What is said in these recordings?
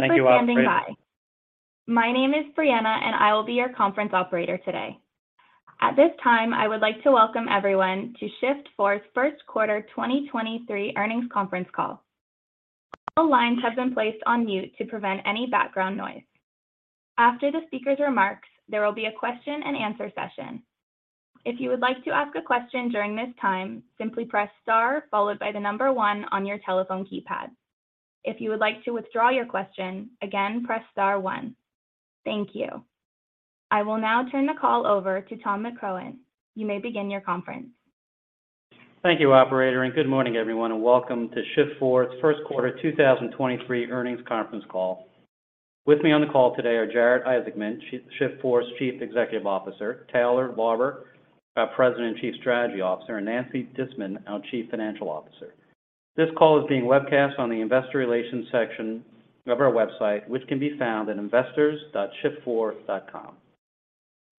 Thank you for standing by. My name is Brianna, and I will be your conference operator today. At this time, I would like to welcome everyone to Shift4's first quarter 2023 earnings conference call. All lines have been placed on mute to prevent any background noise. After the speaker's remarks, there will be a question and answer session. If you would like to ask a question during this time, simply press star followed by the number one on your telephone keypad. If you would like to withdraw your question, again, press star one. Thank you. I will now turn the call over to Tom McCrohan. You may begin your conference. Thank you, operator. Good morning, everyone, and welcome to Shift4's first quarter 2023 earnings conference call. With me on the call today are Jared Isaacman, Shift4's Chief Executive Officer, Taylor Lauber, our President and Chief Strategy Officer, and Nancy Disman, our Chief Financial Officer. This call is being webcast on the investor relations section of our website, which can be found at investors.shift4.com.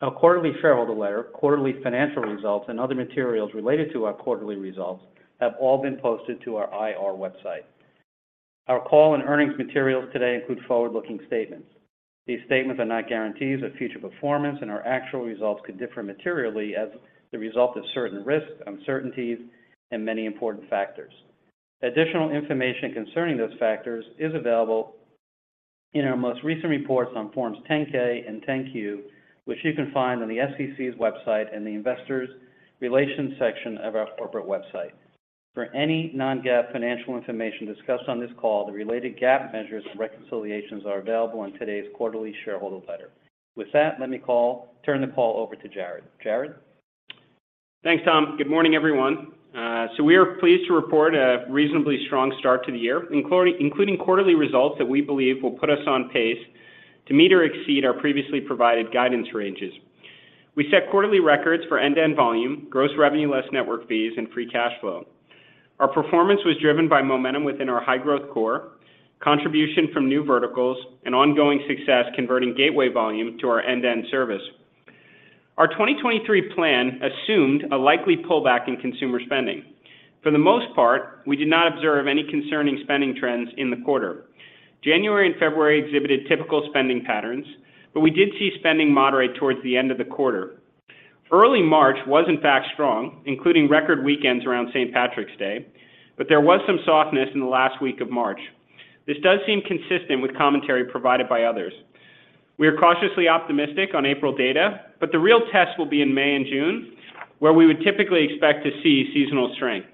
Our quarterly shareholder letter, quarterly financial results, and other materials related to our quarterly results have all been posted to our IR website. Our call and earnings materials today include forward-looking statements. These statements are not guarantees of future performance, and our actual results could differ materially as the result of certain risks, uncertainties, and many important factors. Additional information concerning those factors is available in our most recent reports on Forms 10-K and 10-Q, which you can find on the SEC's website and the investors relations section of our corporate website. For any non-GAAP financial information discussed on this call, the related GAAP measures and reconciliations are available in today's quarterly shareholder letter. With that, let me turn the call over to Jared. Jared? Thanks, Tom. Good morning, everyone. We are pleased to report a reasonably strong start to the year, including quarterly results that we believe will put us on pace to meet or exceed our previously provided guidance ranges. We set quarterly records for end-to-end volume, gross revenue less network fees, and free cash flow. Our performance was driven by momentum within our high-growth core, contribution from new verticals, and ongoing success converting gateway volume to our end-to-end service. Our 2023 plan assumed a likely pullback in consumer spending. For the most part, we did not observe any concerning spending trends in the quarter. January and February exhibited typical spending patterns, but we did see spending moderate towards the end of the quarter. Early March was in fact strong, including record weekends around St. Patrick's Day, but there was some softness in the last week of March. This does seem consistent with commentary provided by others. We are cautiously optimistic on April data, but the real test will be in May and June, where we would typically expect to see seasonal strength.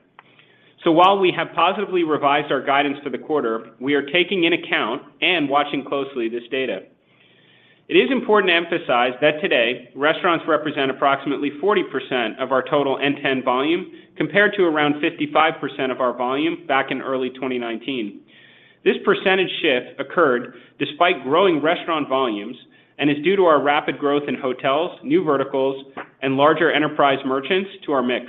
While we have positively revised our guidance for the quarter, we are taking in account and watching closely this data. It is important to emphasize that today, restaurants represent approximately 40% of our total N10 volume, compared to around 55% of our volume back in early 2019. This percentage shift occurred despite growing restaurant volumes and is due to our rapid growth in hotels, new verticals, and larger enterprise merchants to our mix.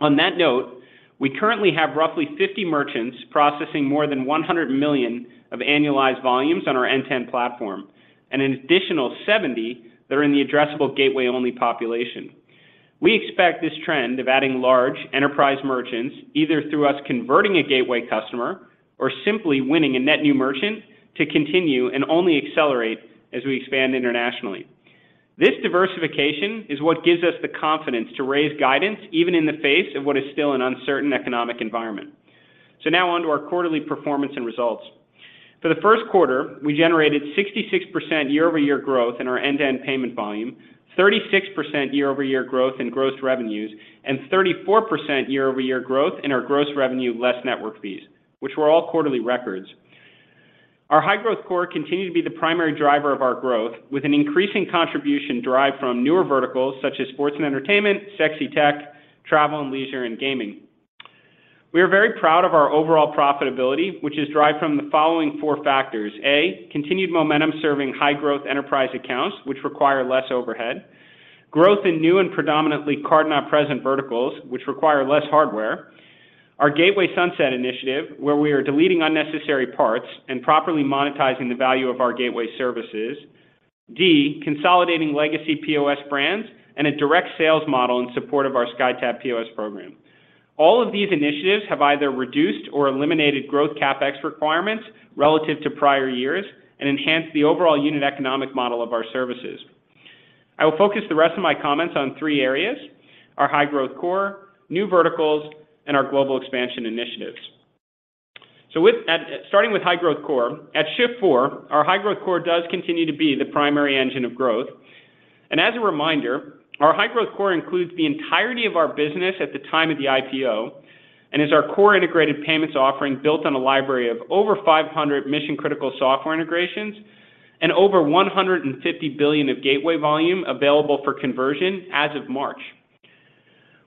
On that note, we currently have roughly 50 merchants processing more than $100 million of annualized volumes on our N10 platform, and an additional 70 that are in the addressable gateway-only population. We expect this trend of adding large enterprise merchants, either through us converting a gateway customer or simply winning a net new merchant, to continue and only accelerate as we expand internationally. Now on to our quarterly performance and results. For the first quarter, we generated 66% year-over-year growth in our end-to-end payment volume, 36% year-over-year growth in gross revenues, and 34% year-over-year growth in our gross revenue less network fees, which were all quarterly records. Our high-growth core continued to be the primary driver of our growth, with an increasing contribution derived from newer verticals such as sports and entertainment, Sexy Tech, travel and leisure, and gaming. We are very proud of our overall profitability, which is derived from the following four factors: A, continued momentum serving high-growth enterprise accounts which require less overhead, growth in new and predominantly card-not-present verticals which require less hardware, our gateway sunset initiative, where we are deleting unnecessary parts and properly monetizing the value of our gateway services, D, consolidating legacy POS brands, and a direct sales model in support of our SkyTab POS program. All of these initiatives have either reduced or eliminated growth CapEx requirements relative to prior years and enhanced the overall unit economic model of our services. Starting with high-growth core, at Shift4, our high-growth core does continue to be the primary engine of growth. As a reminder, our high-growth core includes the entirety of our business at the time of the IPO and is our core integrated payments offering built on a library of over 500 mission-critical software integrations and over $150 billion of gateway volume available for conversion as of March.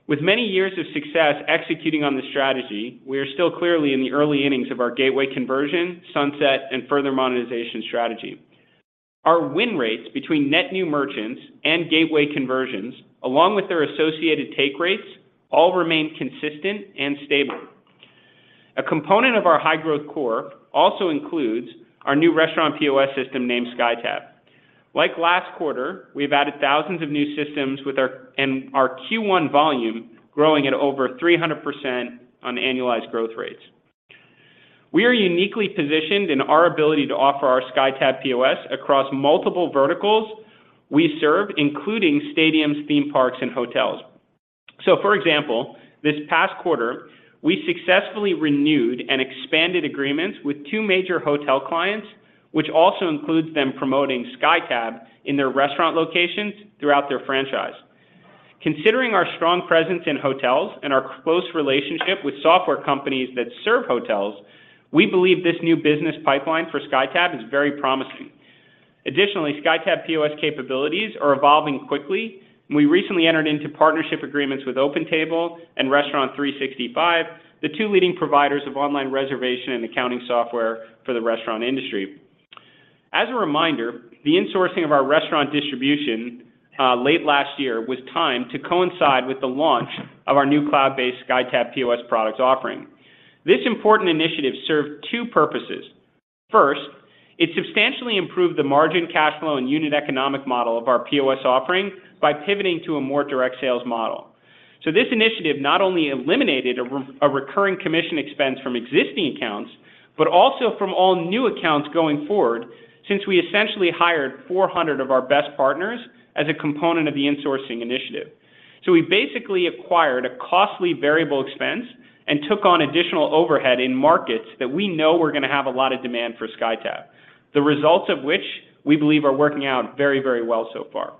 With many years of success executing on this strategy, we are still clearly in the early innings of our gateway conversion, sunset, and further monetization strategy. Our win rates between net new merchants and gateway conversions, along with their associated take rates, all remain consistent and stable. A component of our high-growth core also includes our new restaurant POS system named SkyTab. Like last quarter, we've added thousands of new systems and our Q1 volume growing at over 300% on annualized growth rates. We are uniquely positioned in our ability to offer our SkyTab POS across multiple verticals we serve, including stadiums, theme parks, and hotels. For example, this past quarter, we successfully renewed and expanded agreements with two major hotel clients, which also includes them promoting SkyTab in their restaurant locations throughout their franchise. Considering our strong presence in hotels and our close relationship with software companies that serve hotels, we believe this new business pipeline for SkyTab is very promising. Additionally, SkyTab POS capabilities are evolving quickly, and we recently entered into partnership agreements with OpenTable and Restaurant365, the two leading providers of online reservation and accounting software for the restaurant industry. As a reminder, the insourcing of our restaurant distribution late last year was timed to coincide with the launch of our new cloud-based SkyTab POS products offering. This important initiative served two purposes. First, it substantially improved the margin cash flow and unit economic model of our POS offering by pivoting to a more direct sales model. This initiative not only eliminated a recurring commission expense from existing accounts, but also from all new accounts going forward, since we essentially hired 400 of our best partners as a component of the insourcing initiative. We basically acquired a costly variable expense and took on additional overhead in markets that we know were gonna have a lot of demand for SkyTab. The results of which we believe are working out very, very well so far.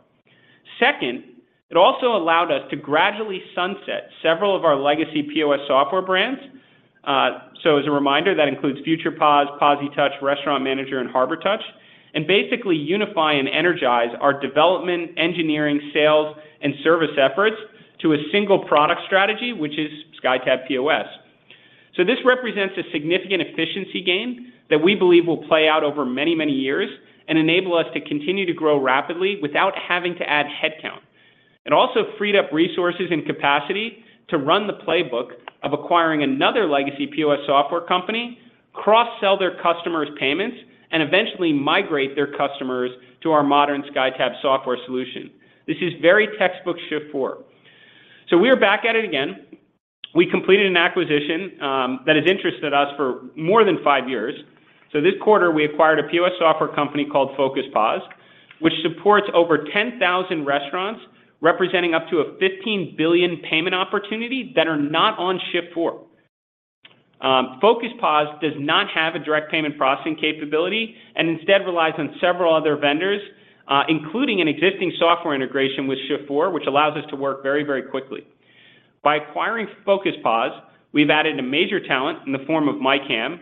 Second, it also allowed us to gradually sunset several of our legacy POS software brands. As a reminder, that includes Future POS, POSitouch, Restaurant Manager, and Harbortouch, and basically unify and energize our development, engineering, sales, and service efforts to a single product strategy, which is SkyTab POS. This represents a significant efficiency gain that we believe will play out over many, many years and enable us to continue to grow rapidly without having to add headcount. It also freed up resources and capacity to run the playbook of acquiring another legacy POS software company, cross-sell their customers' payments, and eventually migrate their customers to our modern SkyTab software solution. This is very textbook Shift4. We are back at it again. We completed an acquisition that has interested us for more than five years. This quarter, we acquired a POS software company called Focus POS, which supports over 10,000 restaurants representing up to a $15 billion payment opportunity that are not on Shift4. Focus POS does not have a direct payment processing capability and instead relies on several other vendors, including an existing software integration with Shift4, which allows us to work very, very quickly. By acquiring Focus POS, we've added a major talent in the form of Mike Hamm,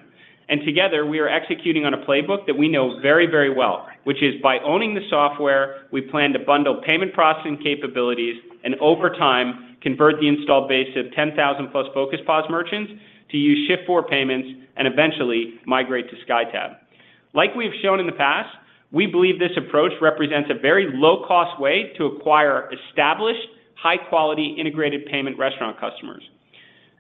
and together we are executing on a playbook that we know very, very well, which is by owning the software, we plan to bundle payment processing capabilities and over time convert the install base of 10,000+ Focus POS merchants to use Shift4 payments and eventually migrate to SkyTab. Like we've shown in the past, we believe this approach represents a very low-cost way to acquire established, high-quality integrated payment restaurant customers.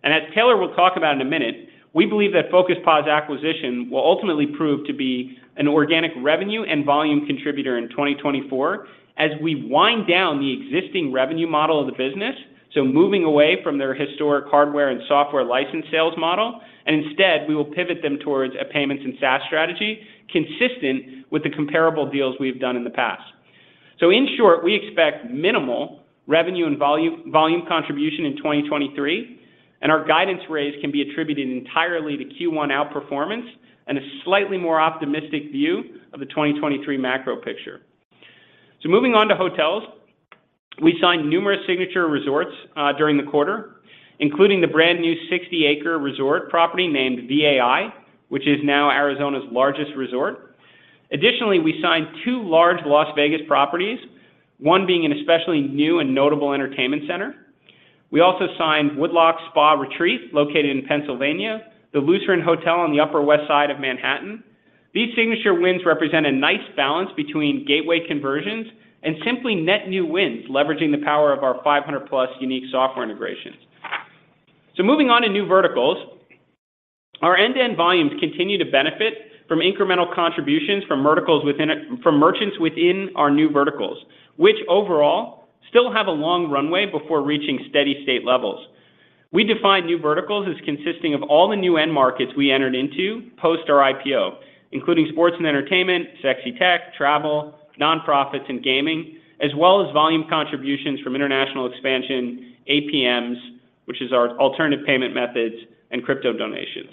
As Taylor will talk about in a minute, we believe that Focus POS acquisition will ultimately prove to be an organic revenue and volume contributor in 2024 as we wind down the existing revenue model of the business, so moving away from their historic hardware and software license sales model. Instead, we will pivot them towards a payments and SaaS strategy consistent with the comparable deals we've done in the past. In short, we expect minimal revenue and volume contribution in 2023, and our guidance raise can be attributed entirely to Q1 outperformance and a slightly more optimistic view of the 2023 macro picture. Moving on to hotels. We signed numerous signature resorts during the quarter, including the brand-new 60-acre resort property named VAI, which is now Arizona's largest resort. Additionally, we signed two large Las Vegas properties, one being an especially new and notable entertainment center. We also signed The Lodge at Woodloch located in Pennsylvania, The Lucerne Hotel on the Upper West Side of Manhattan. These signature wins represent a nice balance between gateway conversions and simply net new wins, leveraging the power of our 500+ unique software integrations. Moving on to new verticals. Our end-to-end volumes continue to benefit from incremental contributions from verticals from merchants within our new verticals, which overall still have a long runway before reaching steady state levels. We define new verticals as consisting of all the new end markets we entered into post our IPO, including sports and entertainment, Sexy Tech, travel, nonprofits, and gaming, as well as volume contributions from international expansion, APMs, which is our alternative payment methods, and crypto donations.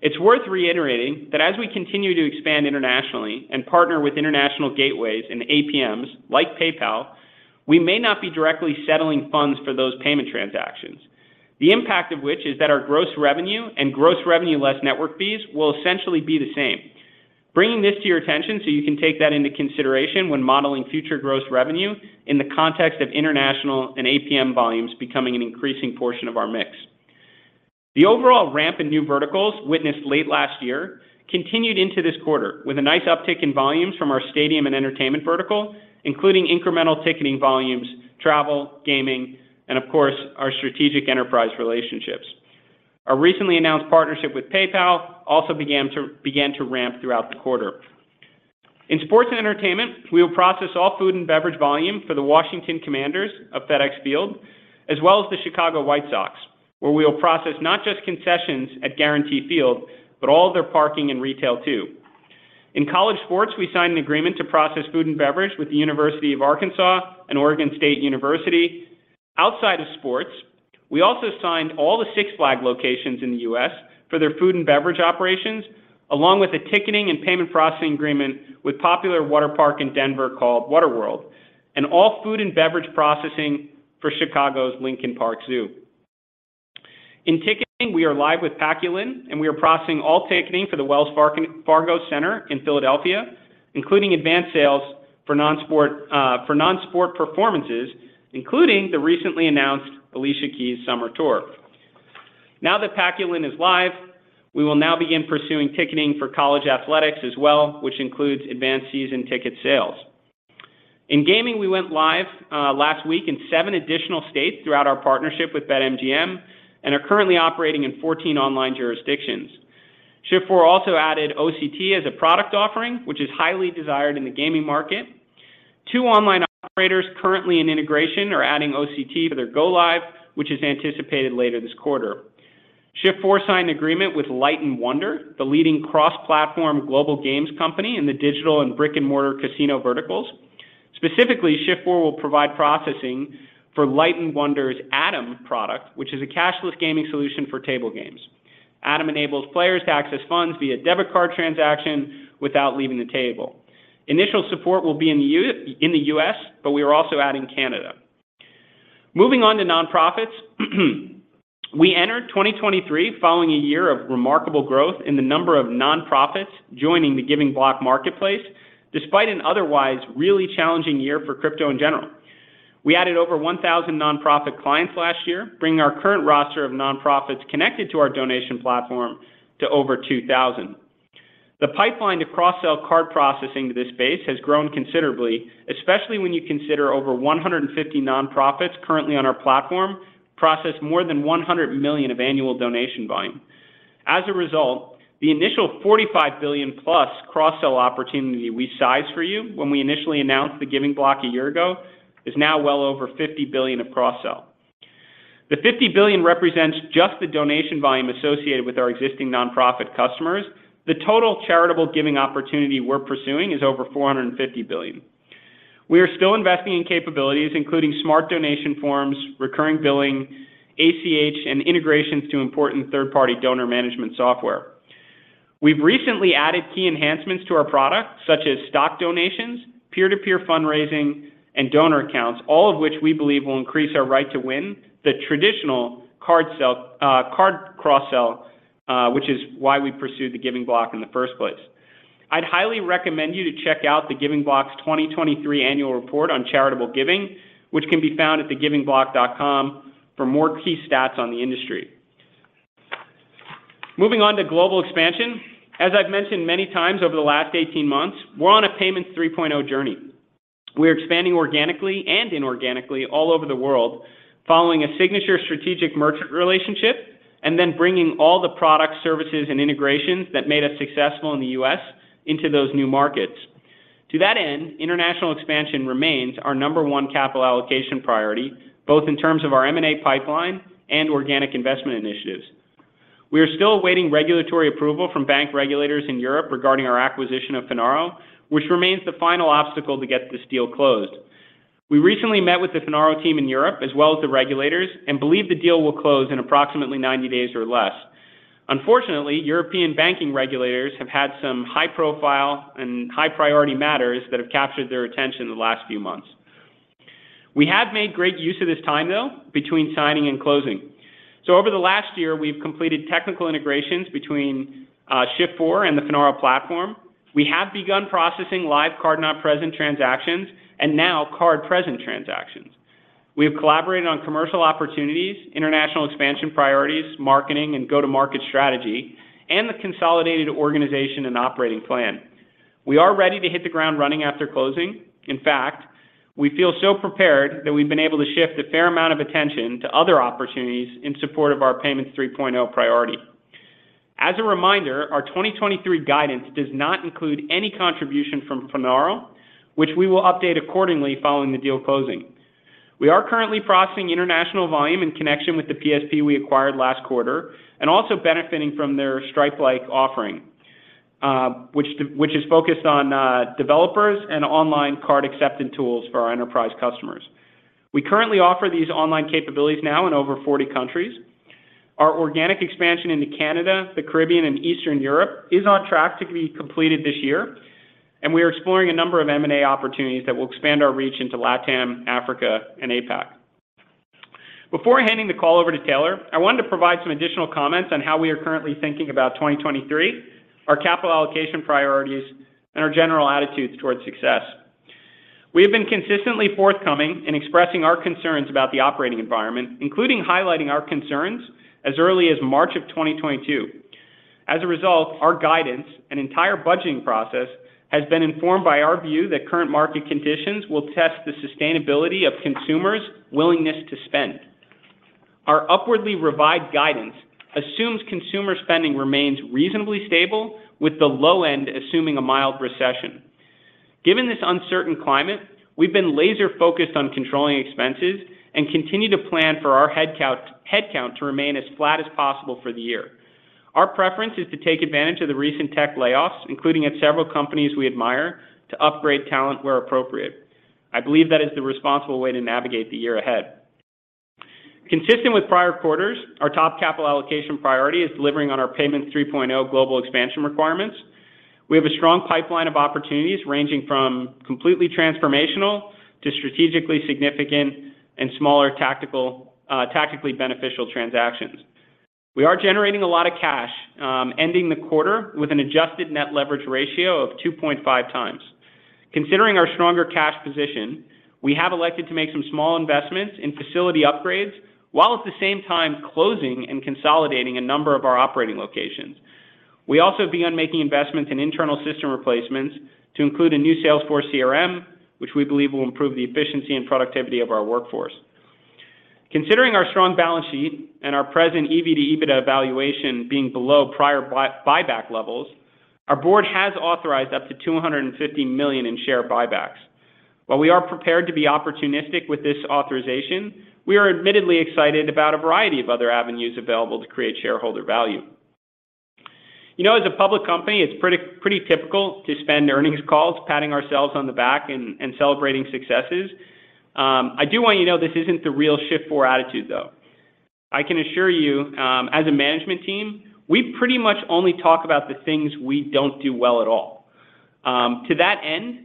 It's worth reiterating that as we continue to expand internationally and partner with international gateways and APMs like PayPal, we may not be directly settling funds for those payment transactions. The impact of which is that our gross revenue and gross revenue less network fees will essentially be the same. Bringing this to your attention so you can take that into consideration when modeling future gross revenue in the context of international and APM volumes becoming an increasing portion of our mix. The overall ramp in new verticals witnessed late last year continued into this quarter with a nice uptick in volumes from our stadium and entertainment vertical, including incremental ticketing volumes, travel, gaming, and of course, our strategic enterprise relationships. Our recently announced partnership with PayPal also began to ramp throughout the quarter. In sports and entertainment, we will process all food and beverage volume for the Washington Commanders of FedExField, as well as the Chicago White Sox, where we will process not just concessions at Guaranteed Rate Field, but all their parking and retail too. In college sports, we signed an agreement to process food and beverage with the University of Arkansas and Oregon State University. Outside of sports, we also signed all the Six Flags locations in the U.S. for their food and beverage operations, along with a ticketing and payment processing agreement with popular water park in Denver called Water World, and all food and beverage processing for Chicago's Lincoln Park Zoo. In ticketing, we are live with Paciolan. We are processing all ticketing for the Wells Fargo Center in Philadelphia, including advanced sales for non-sport, for non-sport performances, including the recently announced Alicia Keys summer tour. Now that Paciolan is live, we will now begin pursuing ticketing for college athletics as well, which includes advanced season ticket sales. In gaming, we went live last week in seven additional states throughout our partnership with BetMGM and are currently operating in 14 online jurisdictions. Shift4 also added OCT as a product offering, which is highly desired in the gaming market. Two online operators currently in integration are adding OCT to their go live, which is anticipated later this quarter. Shift4 signed an agreement with Light & Wonder, the leading cross-platform global games company in the digital and brick-and-mortar casino verticals. Specifically, Shift4 will provide processing for Light & Wonder's AToM product, which is a cashless gaming solution for table games. AToM enables players to access funds via debit card transaction without leaving the table. Initial support will be in the U.S., but we are also adding Canada. Moving on to nonprofits, we entered 2023 following a year of remarkable growth in the number of nonprofits joining The Giving Block marketplace despite an otherwise really challenging year for crypto in general. We added over 1,000 nonprofit clients last year, bringing our current roster of nonprofits connected to our donation platform to over 2,000. The pipeline to cross-sell card processing to this base has grown considerably, especially when you consider over 150 nonprofits currently on our platform process more than $100 million of annual donation volume. The initial $45 billion+ cross-sell opportunity we sized for you when we initially announced The Giving Block a year ago is now well over $50 billion of cross-sell. The $50 billion represents just the donation volume associated with our existing nonprofit customers. The total charitable giving opportunity we're pursuing is over $450 billion. We are still investing in capabilities, including smart donation forms, recurring billing, ACH, and integrations to important third-party donor management software. We've recently added key enhancements to our product, such as stock donations, peer-to-peer fundraising, and donor accounts, all of which we believe will increase our right to win the traditional card cross-sell, which is why we pursued The Giving Block in the first place. I'd highly recommend you to check out The Giving Block's 2023 annual report on charitable giving, which can be found at thegivingblock.com for more key stats on the industry. Moving on to global expansion. As I've mentioned many times over the last 18 months, we're on a Payments 3.0 journey. We're expanding organically and inorganically all over the world following a signature strategic merchant relationship then bringing all the products, services, and integrations that made us successful in the U.S. into those new markets. To that end, international expansion remains our number one capital allocation priority, both in terms of our M&A pipeline and organic investment initiatives. We are still awaiting regulatory approval from bank regulators in Europe regarding our acquisition of Finaro, which remains the final obstacle to get this deal closed. We recently met with the Finaro team in Europe, as well as the regulators, and believe the deal will close in approximately 90 days or less. Unfortunately, European banking regulators have had some high-profile and high-priority matters that have captured their attention in the last few months. We have made great use of this time, though, between signing and closing. Over the last year, we've completed technical integrations between Shift4 and the Finaro platform. We have begun processing live card-not-present transactions and now card-present transactions. We have collaborated on commercial opportunities, international expansion priorities, marketing, and go-to-market strategy, and the consolidated organization and operating plan. We are ready to hit the ground running after closing. In fact, we feel so prepared that we've been able to shift a fair amount of attention to other opportunities in support of our Payments 3.0 priority. As a reminder, our 2023 guidance does not include any contribution from Finaro, which we will update accordingly following the deal closing. We are currently processing international volume in connection with the PSP we acquired last quarter and also benefiting from their Stripe-like offering, which is focused on developers and online card acceptance tools for our enterprise customers. We currently offer these online capabilities now in over 40 countries. Our organic expansion into Canada, the Caribbean, and Eastern Europe is on track to be completed this year, and we are exploring a number of M&A opportunities that will expand our reach into LATAM, Africa, and APAC. Before handing the call over to Taylor, I wanted to provide some additional comments on how we are currently thinking about 2023, our capital allocation priorities, and our general attitudes towards success. We have been consistently forthcoming in expressing our concerns about the operating environment, including highlighting our concerns as early as March of 2022. As a result, our guidance and entire budgeting process has been informed by our view that current market conditions will test the sustainability of consumers' willingness to spend. Our upwardly revised guidance assumes consumer spending remains reasonably stable, with the low end assuming a mild recession. Given this uncertain climate, we've been laser-focused on controlling expenses and continue to plan for our headcount to remain as flat as possible for the year. Our preference is to take advantage of the recent tech layoffs, including at several companies we admire, to upgrade talent where appropriate. I believe that is the responsible way to navigate the year ahead. Consistent with prior quarters, our top capital allocation priority is delivering on our Payments 3.0 global expansion requirements. We have a strong pipeline of opportunities ranging from completely transformational to strategically significant and smaller tactically beneficial transactions. We are generating a lot of cash, ending the quarter with an adjusted net leverage ratio of 2.5x. Considering our stronger cash position, we have elected to make some small investments in facility upgrades while at the same time closing and consolidating a number of our operating locations. We also began making investments in internal system replacements to include a new Salesforce CRM, which we believe will improve the efficiency and productivity of our workforce. Considering our strong balance sheet and our present EV/EBITDA valuation being below prior buyback levels, our board has authorized up to $250 million in share buybacks. While we are prepared to be opportunistic with this authorization, we are admittedly excited about a variety of other avenues available to create shareholder value. You know, as a public company, it's pretty typical to spend earnings calls patting ourselves on the back and celebrating successes. I do want you to know this isn't the real Shift4 attitude, though. I can assure you, as a management team, we pretty much only talk about the things we don't do well at all. To that end,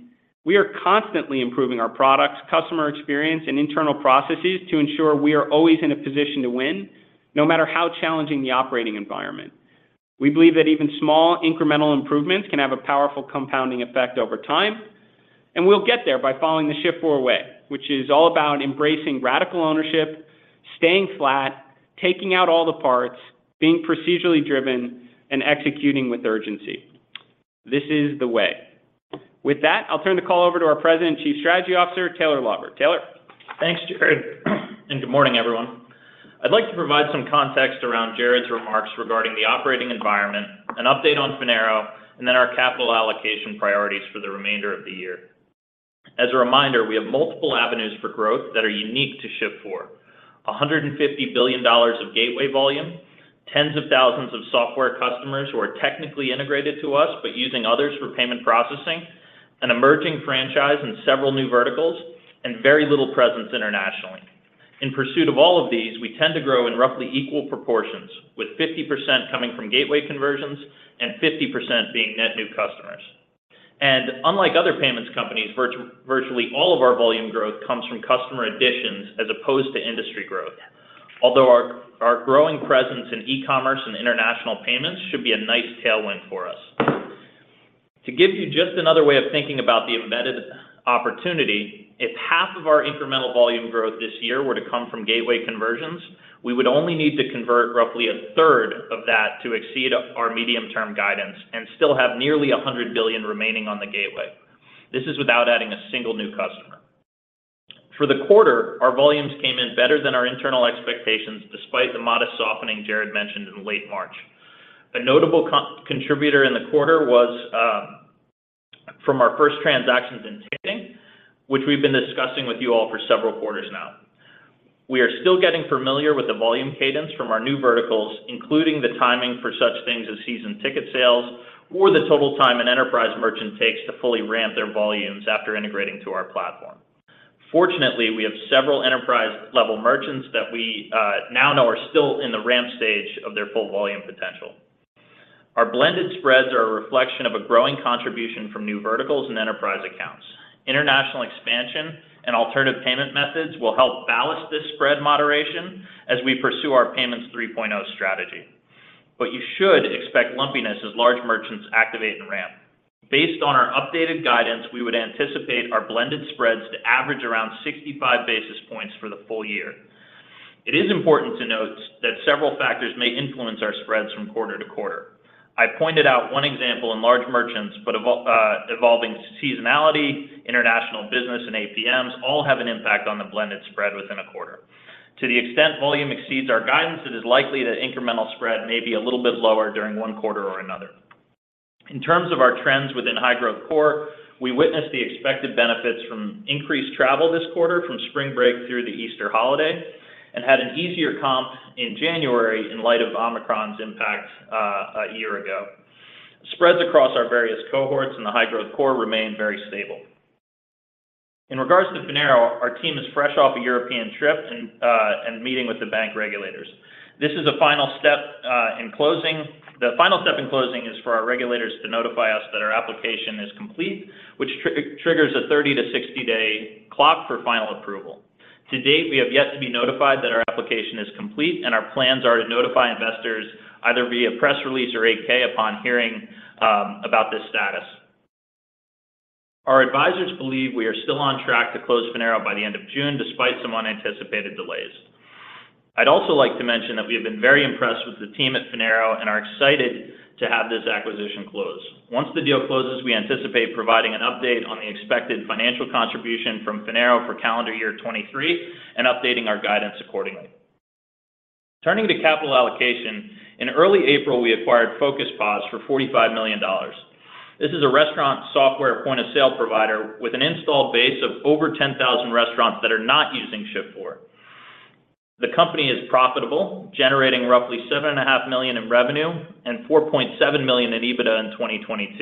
we are constantly improving our products, customer experience, and internal processes to ensure we are always in a position to win, no matter how challenging the operating environment. We believe that even small incremental improvements can have a powerful compounding effect over time, and we'll get there by following the Shift4 Way, which is all about embracing radical ownership, staying flat, taking out all the parts, being procedurally driven, and executing with urgency. This is the way. With that, I'll turn the call over to our President and Chief Strategy Officer, Taylor Lauber. Taylor? Thanks, Jared. Good morning, everyone. I'd like to provide some context around Jared's remarks regarding the operating environment, an update on Finaro, and then our capital allocation priorities for the remainder of the year. As a reminder, we have multiple avenues for growth that are unique to Shift4. $150 billion of gateway volume, tens of thousands of software customers who are technically integrated to us but using others for payment processing, an emerging franchise in several new verticals, and very little presence internationally. In pursuit of all of these, we tend to grow in roughly equal proportions, with 50% coming from gateway conversions and 50% being net new customers. Unlike other payments companies, virtually all of our volume growth comes from customer additions as opposed to industry growth. Although our growing presence in e-commerce and international payments should be a nice tailwind for us. To give you just another way of thinking about the embedded opportunity, if half of our incremental volume growth this year were to come from gateway conversions, we would only need to convert roughly a third of that to exceed our medium-term guidance and still have nearly $100 billion remaining on the gateway. This is without adding a single new customer. For the quarter, our volumes came in better than our internal expectations, despite the modest softening Jared mentioned in late March. A notable contributor in the quarter was from our first transactions in ticketing, which we've been discussing with you all for several quarters now. We are still getting familiar with the volume cadence from our new verticals, including the timing for such things as season ticket sales or the total time an enterprise merchant takes to fully ramp their volumes after integrating to our platform. Fortunately, we have several enterprise-level merchants that we now know are still in the ramp stage of their full volume potential. Our blended spreads are a reflection of a growing contribution from new verticals and enterprise accounts. International expansion and alternative payment methods will help balance this spread moderation as we pursue our Payments 3.0 strategy. You should expect lumpiness as large merchants activate and ramp. Based on our updated guidance, we would anticipate our blended spreads to average around 65 basis points for the full year. It is important to note that several factors may influence our spreads from quarter to quarter. I pointed out one example in large merchants, but evolving seasonality, international business, and APMs all have an impact on the blended spread within a quarter. To the extent volume exceeds our guidance, it is likely that incremental spread may be a little bit lower during one quarter or another. In terms of our trends within high-growth core, we witnessed the expected benefits from increased travel this quarter from spring break through the Easter holiday and had an easier comp in January in light of Omicron's impact a year ago. Spreads across our various cohorts in the high-growth core remain very stable. In regards to Finaro, our team is fresh off a European trip and meeting with the bank regulators. This is a final step in closing. The final step in closing is for our regulators to notify us that our application is complete, which triggers a 30 to 60-day clock for final approval. To date, we have yet to be notified that our application is complete, and our plans are to notify investors either via press release or 8-K upon hearing about this status. Our advisors believe we are still on track to close Finaro by the end of June, despite some unanticipated delays. I'd also like to mention that we have been very impressed with the team at Finaro and are excited to have this acquisition close. Once the deal closes, we anticipate providing an update on the expected financial contribution from Finaro for calendar year 2023 and updating our guidance accordingly. Turning to capital allocation, in early April, we acquired Focus POS for $45 million. This is a restaurant software point-of-sale provider with an installed base of over 10,000 restaurants that are not using Shift4. The company is profitable, generating roughly $7.5 million in revenue and $4.7 million in EBITDA in 2022.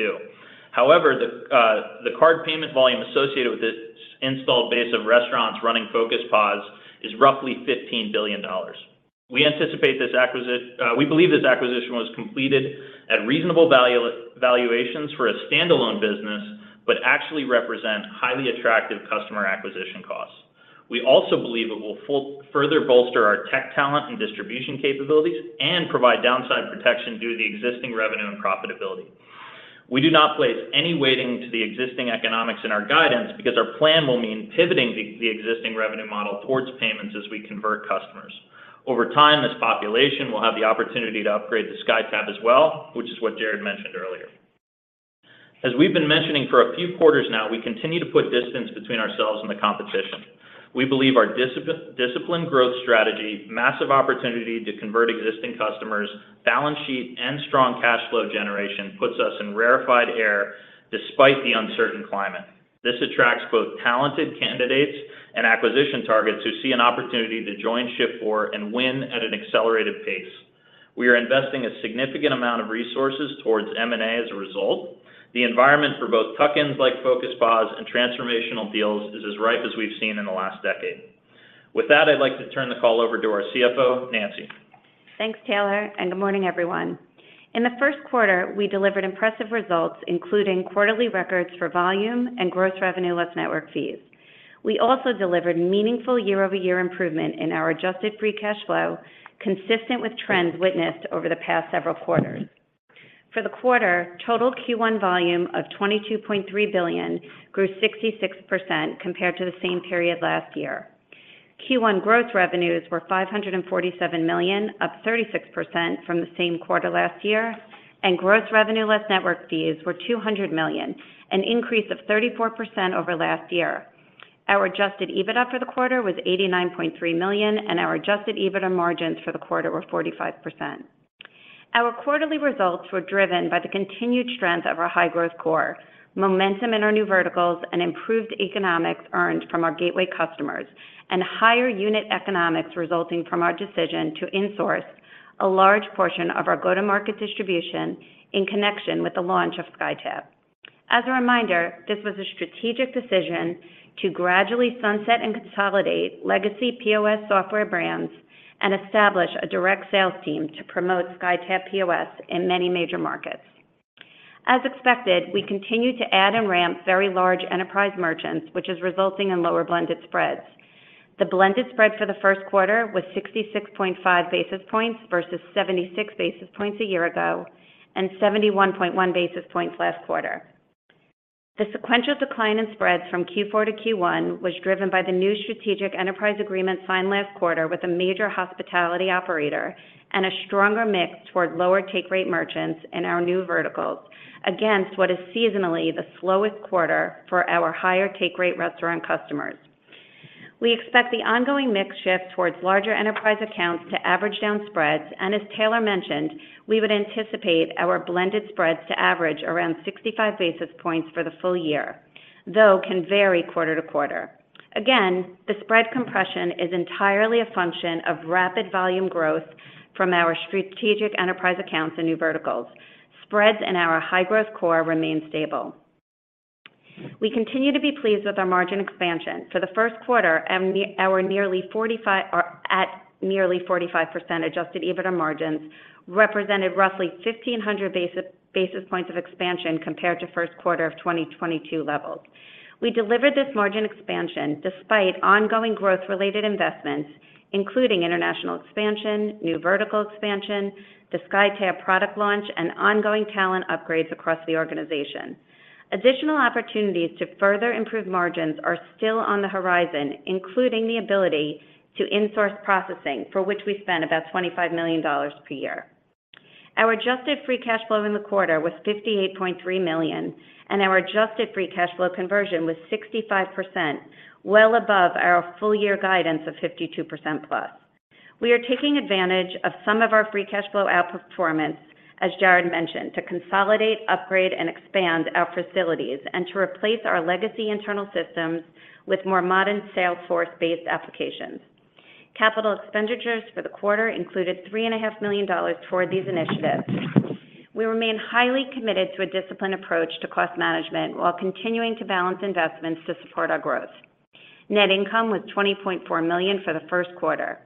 However, the card payment volume associated with its installed base of restaurants running Focus POS is roughly $15 billion. We believe this acquisition was completed at reasonable valuations for a standalone business, but actually represent highly attractive customer acquisition costs. We also believe it will further bolster our tech talent and distribution capabilities and provide downside protection due to the existing revenue and profitability. We do not place any weighting to the existing economics in our guidance because our plan will mean pivoting the existing revenue model towards payments as we convert customers. Over time, this population will have the opportunity to upgrade to SkyTab as well, which is what Jared mentioned earlier. We've been mentioning for a few quarters now, we continue to put distance between ourselves and the competition. We believe our discipline growth strategy, massive opportunity to convert existing customers, balance sheet, and strong cash flow generation puts us in rarefied air despite the uncertain climate. This attracts both talented candidates and acquisition targets who see an opportunity to join Shift4 and win at an accelerated pace. We are investing a significant amount of resources towards M&A as a result. The environment for both tuck-ins like Focus POS and transformational deals is as ripe as we've seen in the last decade. I'd like to turn the call over to our CFO, Nancy. Thanks, Taylor. Good morning, everyone. In the first quarter, we delivered impressive results, including quarterly records for volume and gross revenue less network fees. We also delivered meaningful year-over-year improvement in our adjusted free cash flow, consistent with trends witnessed over the past several quarters. For the quarter, total Q1 volume of $22.3 billion grew 66% compared to the same period last year. Q1 gross revenues were $547 million, up 36% from the same quarter last year, and gross revenue less network fees were $200 million, an increase of 34% over last year. Our Adjusted EBITDA for the quarter was $89.3 million, and our Adjusted EBITDA margins for the quarter were 45%. Our quarterly results were driven by the continued strength of our high-growth core, momentum in our new verticals, and improved economics earned from our gateway customers, and higher unit economics resulting from our decision to insource a large portion of our go-to-market distribution in connection with the launch of SkyTab. As a reminder, this was a strategic decision to gradually sunset and consolidate legacy POS software brands and establish a direct sales team to promote SkyTab POS in many major markets. As expected, we continued to add and ramp very large enterprise merchants, which is resulting in lower blended spreads. The blended spread for the first quarter was 66.5 basis points versus 76 basis points a year ago and 71.1 basis points last quarter. The sequential decline in spreads from Q4 to Q1 was driven by the new strategic enterprise agreement signed last quarter with a major hospitality operator and a stronger mix toward lower take rate merchants in our new verticals against what is seasonally the slowest quarter for our higher take rate restaurant customers. We expect the ongoing mix shift towards larger enterprise accounts to average down spreads, and as Taylor mentioned, we would anticipate our blended spreads to average around 65 basis points for the full year, though can vary quarter to quarter. Again, the spread compression is entirely a function of rapid volume growth from our strategic enterprise accounts and new verticals. Spreads in our high-growth core remain stable. We continue to be pleased with our margin expansion. For the first quarter, our nearly 45% Adjusted EBITDA margins represented roughly 1,500 basis points of expansion compared to first quarter of 2022 levels. We delivered this margin expansion despite ongoing growth-related investments, including international expansion, new vertical expansion, the SkyTab product launch, and ongoing talent upgrades across the organization. Additional opportunities to further improve margins are still on the horizon, including the ability to insource processing, for which we spend about $25 million per year. Our adjusted free cash flow in the quarter was $58.3 million, and our adjusted free cash flow conversion was 65%, well above our full year guidance of 52%+. We are taking advantage of some of our free cash flow outperformance, as Jared mentioned, to consolidate, upgrade, and expand our facilities and to replace our legacy internal systems with more modern Salesforce-based applications. Capital expenditures for the quarter included $3.5 million toward these initiatives. We remain highly committed to a disciplined approach to cost management while continuing to balance investments to support our growth. Net income was $20.4 million for the first quarter.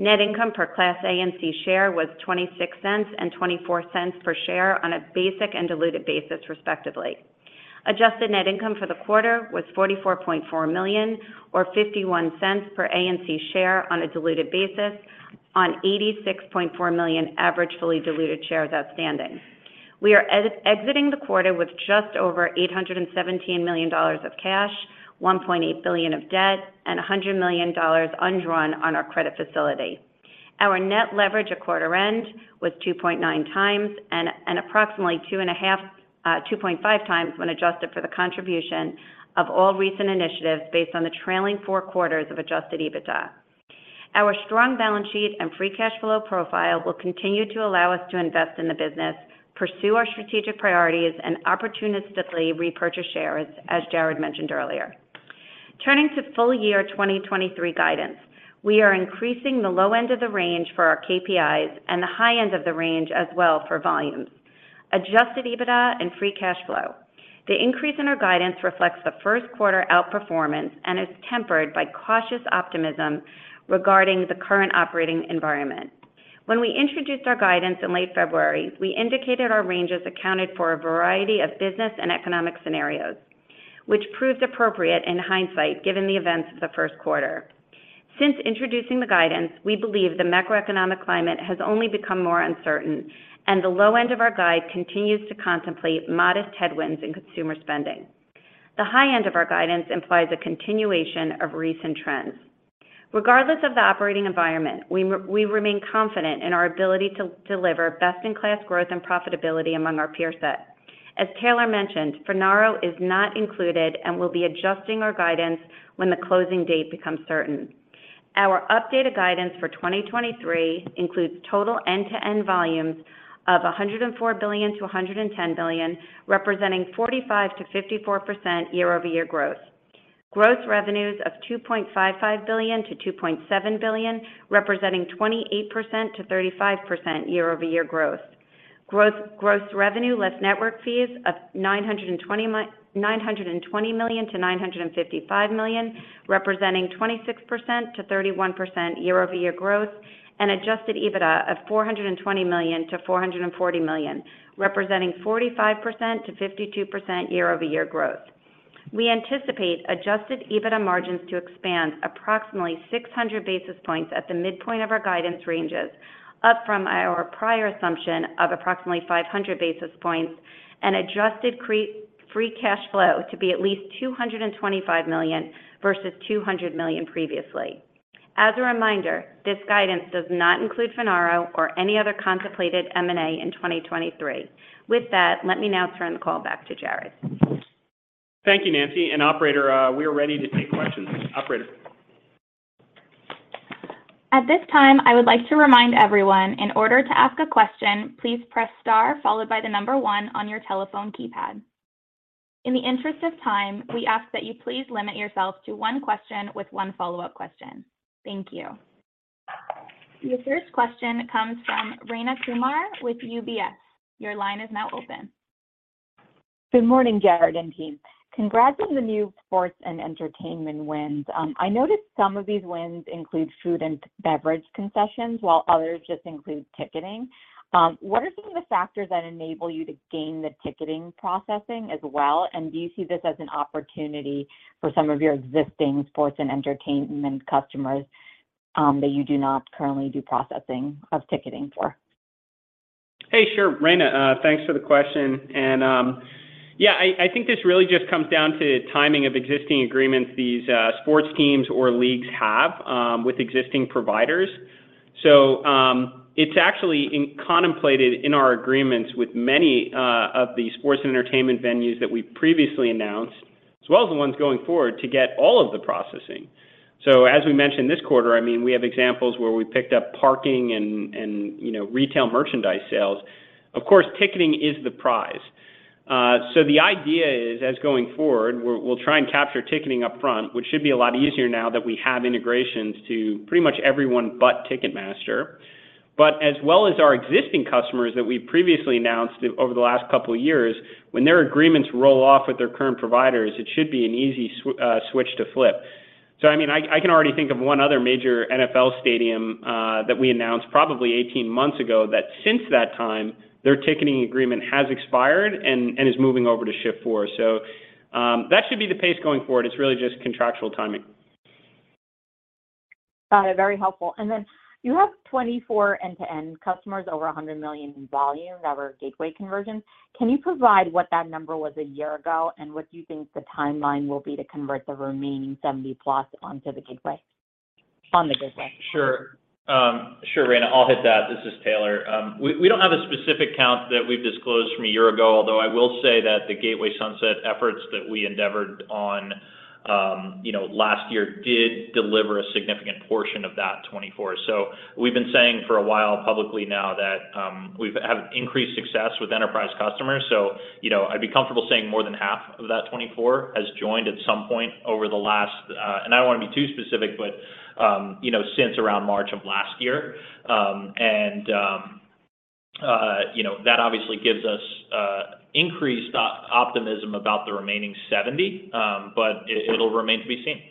Net income per Class A and C share was $0.26 and $0.24 per share on a basic and diluted basis, respectively. Adjusted net income for the quarter was $44.4 million or $0.51 per A and C share on a diluted basis. On 86.4 million average fully diluted shares outstanding. We are exiting the quarter with just over $817 million of cash, $1.8 billion of debt, and $100 million undrawn on our credit facility. Our net leverage at quarter end was 2.9x and approximately 2.5x when adjusted for the contribution of all recent initiatives based on the trailing four quarters of Adjusted EBITDA. Our strong balance sheet and free cash flow profile will continue to allow us to invest in the business, pursue our strategic priorities, and opportunistically repurchase shares, as Jared mentioned earlier. Turning to full year 2023 guidance. We are increasing the low end of the range for our KPIs and the high end of the range as well for volumes, Adjusted EBITDA and free cash flow. The increase in our guidance reflects the first quarter outperformance and is tempered by cautious optimism regarding the current operating environment. When we introduced our guidance in late February, we indicated our ranges accounted for a variety of business and economic scenarios, which proved appropriate in hindsight given the events of the first quarter. Since introducing the guidance, we believe the macroeconomic climate has only become more uncertain, and the low end of our guide continues to contemplate modest headwinds in consumer spending. The high end of our guidance implies a continuation of recent trends. Regardless of the operating environment, we remain confident in our ability to deliver best-in-class growth and profitability among our peer set. As Taylor mentioned, Finaro is not included and we'll be adjusting our guidance when the closing date becomes certain. Our updated guidance for 2023 includes total end-to-end volumes of $104 billion-$110 billion, representing 45%-54% year-over-year growth. Gross revenues of $2.55 billion-$2.7 billion, representing 28%-35% year-over-year growth. Gross revenue less network fees of $920 million-$955 million, representing 26%-31% year-over-year growth. Adjusted EBITDA of $420 million-$440 million, representing 45%-52% year-over-year growth. We anticipate Adjusted EBITDA margins to expand approximately 600 basis points at the midpoint of our guidance ranges, up from our prior assumption of approximately 500 basis points and adjusted free cash flow to be at least $225 million versus $200 million previously. As a reminder, this guidance does not include Finaro or any other contemplated M&A in 2023. With that, let me now turn the call back to Jared. Thank you, Nancy. Operator, we are ready to take questions. Operator? At this time, I would like to remind everyone, in order to ask a question, please press star followed by one on your telephone keypad. In the interest of time, we ask that you please limit yourself to one question with one follow-up question. Thank you. Your first question comes from Rayna Kumar with UBS. Your line is now open. Good morning, Jared and team. Congrats on the new sports and entertainment wins. I noticed some of these wins include food and beverage concessions, while others just include ticketing. What are some of the factors that enable you to gain the ticketing processing as well? Do you see this as an opportunity for some of your existing sports and entertainment customers, that you do not currently do processing of ticketing for? Hey, sure. Rayna, thanks for the question. I think this really just comes down to timing of existing agreements these sports teams or leagues have with existing providers. It's actually contemplated in our agreements with many of the sports and entertainment venues that we previously announced, as well as the ones going forward, to get all of the processing. As we mentioned this quarter, I mean, we have examples where we picked up parking and, you know, retail merchandise sales. Of course, ticketing is the prize. The idea is, as going forward, we'll try and capture ticketing up front, which should be a lot easier now that we have integrations to pretty much everyone but Ticketmaster. As well as our existing customers that we've previously announced over the last couple of years, when their agreements roll off with their current providers, it should be an easy switch to flip. I mean, I can already think of one other major NFL stadium that we announced probably 18 months ago, that since that time, their ticketing agreement has expired and is moving over to Shift4. That should be the pace going forward. It's really just contractual timing. Got it. Very helpful. You have 2024 end-to-end customers over $100 million in volume that were gateway conversion. Can you provide what that number was a year ago? What do you think the timeline will be to convert the remaining 70+ on the gateway? Sure. Sure, Rayna. I'll hit that. This is Taylor. We don't have a specific count that we've disclosed from a year ago, although I will say that the gateway sunset efforts that we endeavored on, you know, last year did deliver a significant portion of that 2024. We have increased success with enterprise customers. You know, I'd be comfortable saying more than half of that 2024 has joined at some point over the last, and I don't want to be too specific, but, you know, since around March of last year. You know, that obviously gives us increased optimism about the remaining 70, but it'll remain to be seen.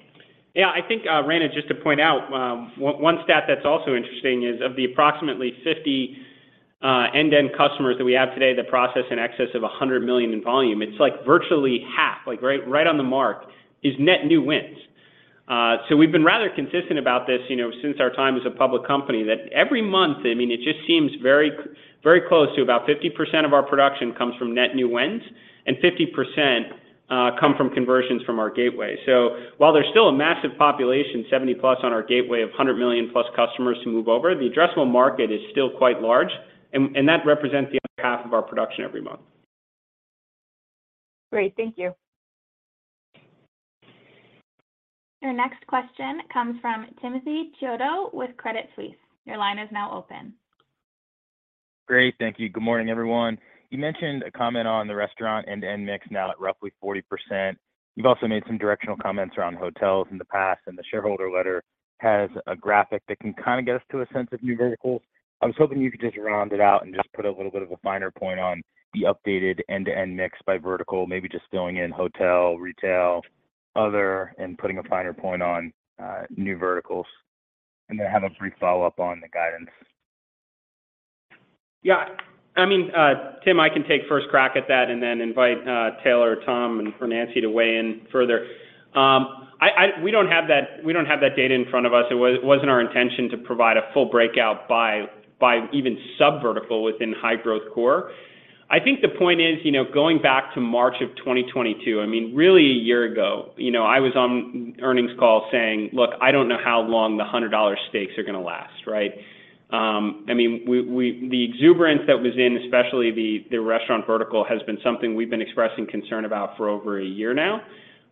Yeah. I think, Rayna, just to point out, one stat that's also interesting is of the approximately 50 End-to-end customers that we have today that process in excess of $100 million in volume, it's like virtually half, like right on the mark is net new wins. We've been rather consistent about this, you know, since our time as a public company, that every month, I mean, it just seems very, very close to about 50% of our production comes from net new wins, and 50% come from conversions from our gateway. While there's still a massive population, 70+ on our gateway of $100 million+ customers to move over, the addressable market is still quite large and that represents the other half of our production every month. Great. Thank you. Your next question comes from Timothy Chiodo with Credit Suisse. Your line is now open. Great. Thank you. Good morning, everyone. You mentioned a comment on the restaurant end-to-end mix now at roughly 40%. You've also made some directional comments around hotels in the past, and the shareholder letter has a graphic that can kind of get us to a sense of new verticals. I was hoping you could just round it out and just put a little bit of a finer point on the updated end-to-end mix by vertical, maybe just filling in hotel, retail, other, and putting a finer point on new verticals. Then I have a brief follow-up on the guidance. Yeah. I mean, Tim, I can take first crack at that and then invite Taylor, Tom, and for Nancy to weigh in further. I mean, we don't have that data in front of us. It wasn't our intention to provide a full breakout by even subvertical within high-growth core. I think the point is, you know, going back to March of 2022, I mean, really a year ago, you know, I was on earnings call saying, "Look, I don't know how long the $100 stakes are gonna last," right? I mean, the exuberance that was in, especially the restaurant vertical, has been something we've been expressing concern about for over a year now.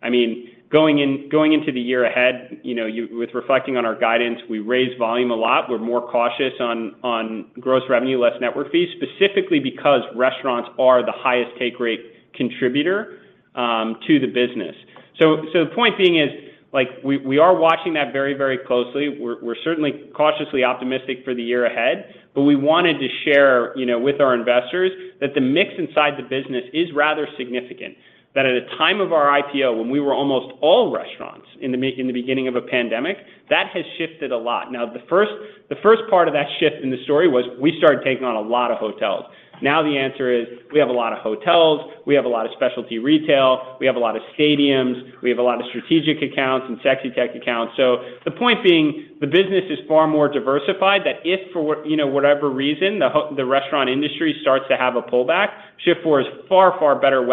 I mean, going into the year ahead, you know, with reflecting on our guidance, we raised volume a lot. We're more cautious on gross revenue less network fees, specifically because restaurants are the highest take rate contributor to the business. The point being is, like, we are watching that very, very closely. We're certainly cautiously optimistic for the year ahead, we wanted to share, you know, with our investors that the mix inside the business is rather significant. That at the time of our IPO, when we were almost all restaurants in the beginning of a pandemic, that has shifted a lot. The first part of that shift in the story was we started taking on a lot of hotels. The answer is we have a lot of hotels, we have a lot of specialty retail, we have a lot of stadiums, we have a lot of strategic accounts and Sexy Tech accounts. The point being, the business is far more diversified that if for what, you know, whatever reason the restaurant industry starts to have a pullback, Shift4 is far better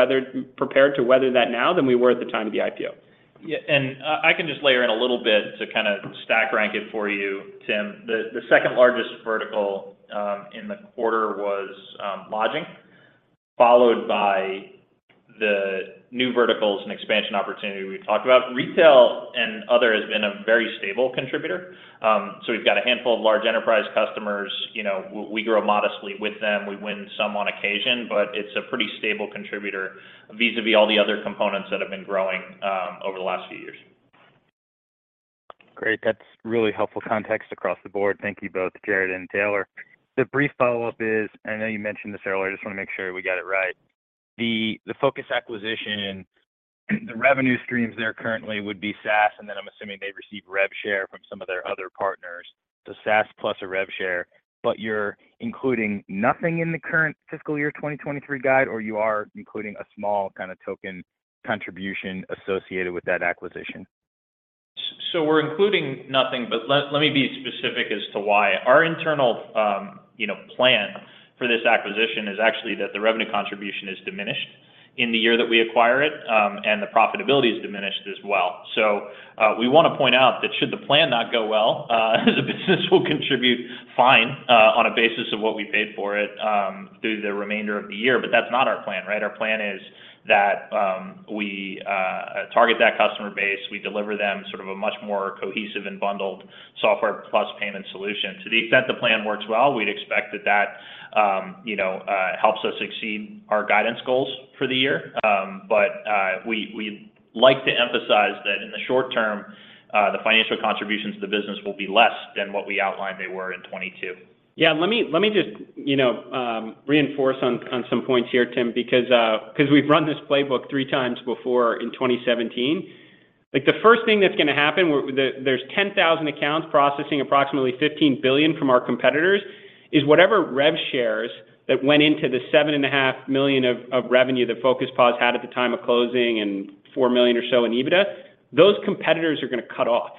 prepared to weather that now than we were at the time of the IPO. Yeah. I can just layer in a little bit to kinda stack rank it for you, Tim. The second largest vertical in the quarter was lodging, followed by the new verticals and expansion opportunity we've talked about. Retail and other has been a very stable contributor. We've got a handful of large enterprise customers. You know, we grow modestly with them. We win some on occasion, but it's a pretty stable contributor vis-à-vis all the other components that have been growing over the last few years. Great. That's really helpful context across the board. Thank you both, Jared and Taylor. The brief follow-up is, I know you mentioned this earlier, I just wanna make sure we got it right. The Focus acquisition, the revenue streams there currently would be SaaS, and then I'm assuming they receive rev share from some of their other partners, the SaaS+ a rev share. You're including nothing in the current fiscal year 2023 guide, or you are including a small kinda token contribution associated with that acquisition? We're including nothing, but let me be specific as to why. Our internal, you know, plan for this acquisition is actually that the revenue contribution is diminished in the year that we acquire it, and the profitability is diminished as well. We wanna point out that should the plan not go well, the business will contribute fine, on a basis of what we paid for it, through the remainder of the year, but that's not our plan, right? Our plan is that we target that customer base, we deliver them sort of a much more cohesive and bundled software plus payment solution. To the extent the plan works well, we'd expect that that, you know, helps us exceed our guidance goals for the year. We like to emphasize that in the short term, the financial contributions to the business will be less than what we outlined they were in 2022. Yeah. Let me just, you know, reinforce on some points here, Tim, because, 'cause we've run this playbook 3x before in 2017. Like, the first thing that's gonna happen, there's 10,000 accounts processing approximately $15 billion from our competitors, is whatever rev shares that went into the $7.5 million of revenue that Focus POS had at the time of closing and $4 million or so in EBITDA, those competitors are gonna cut off.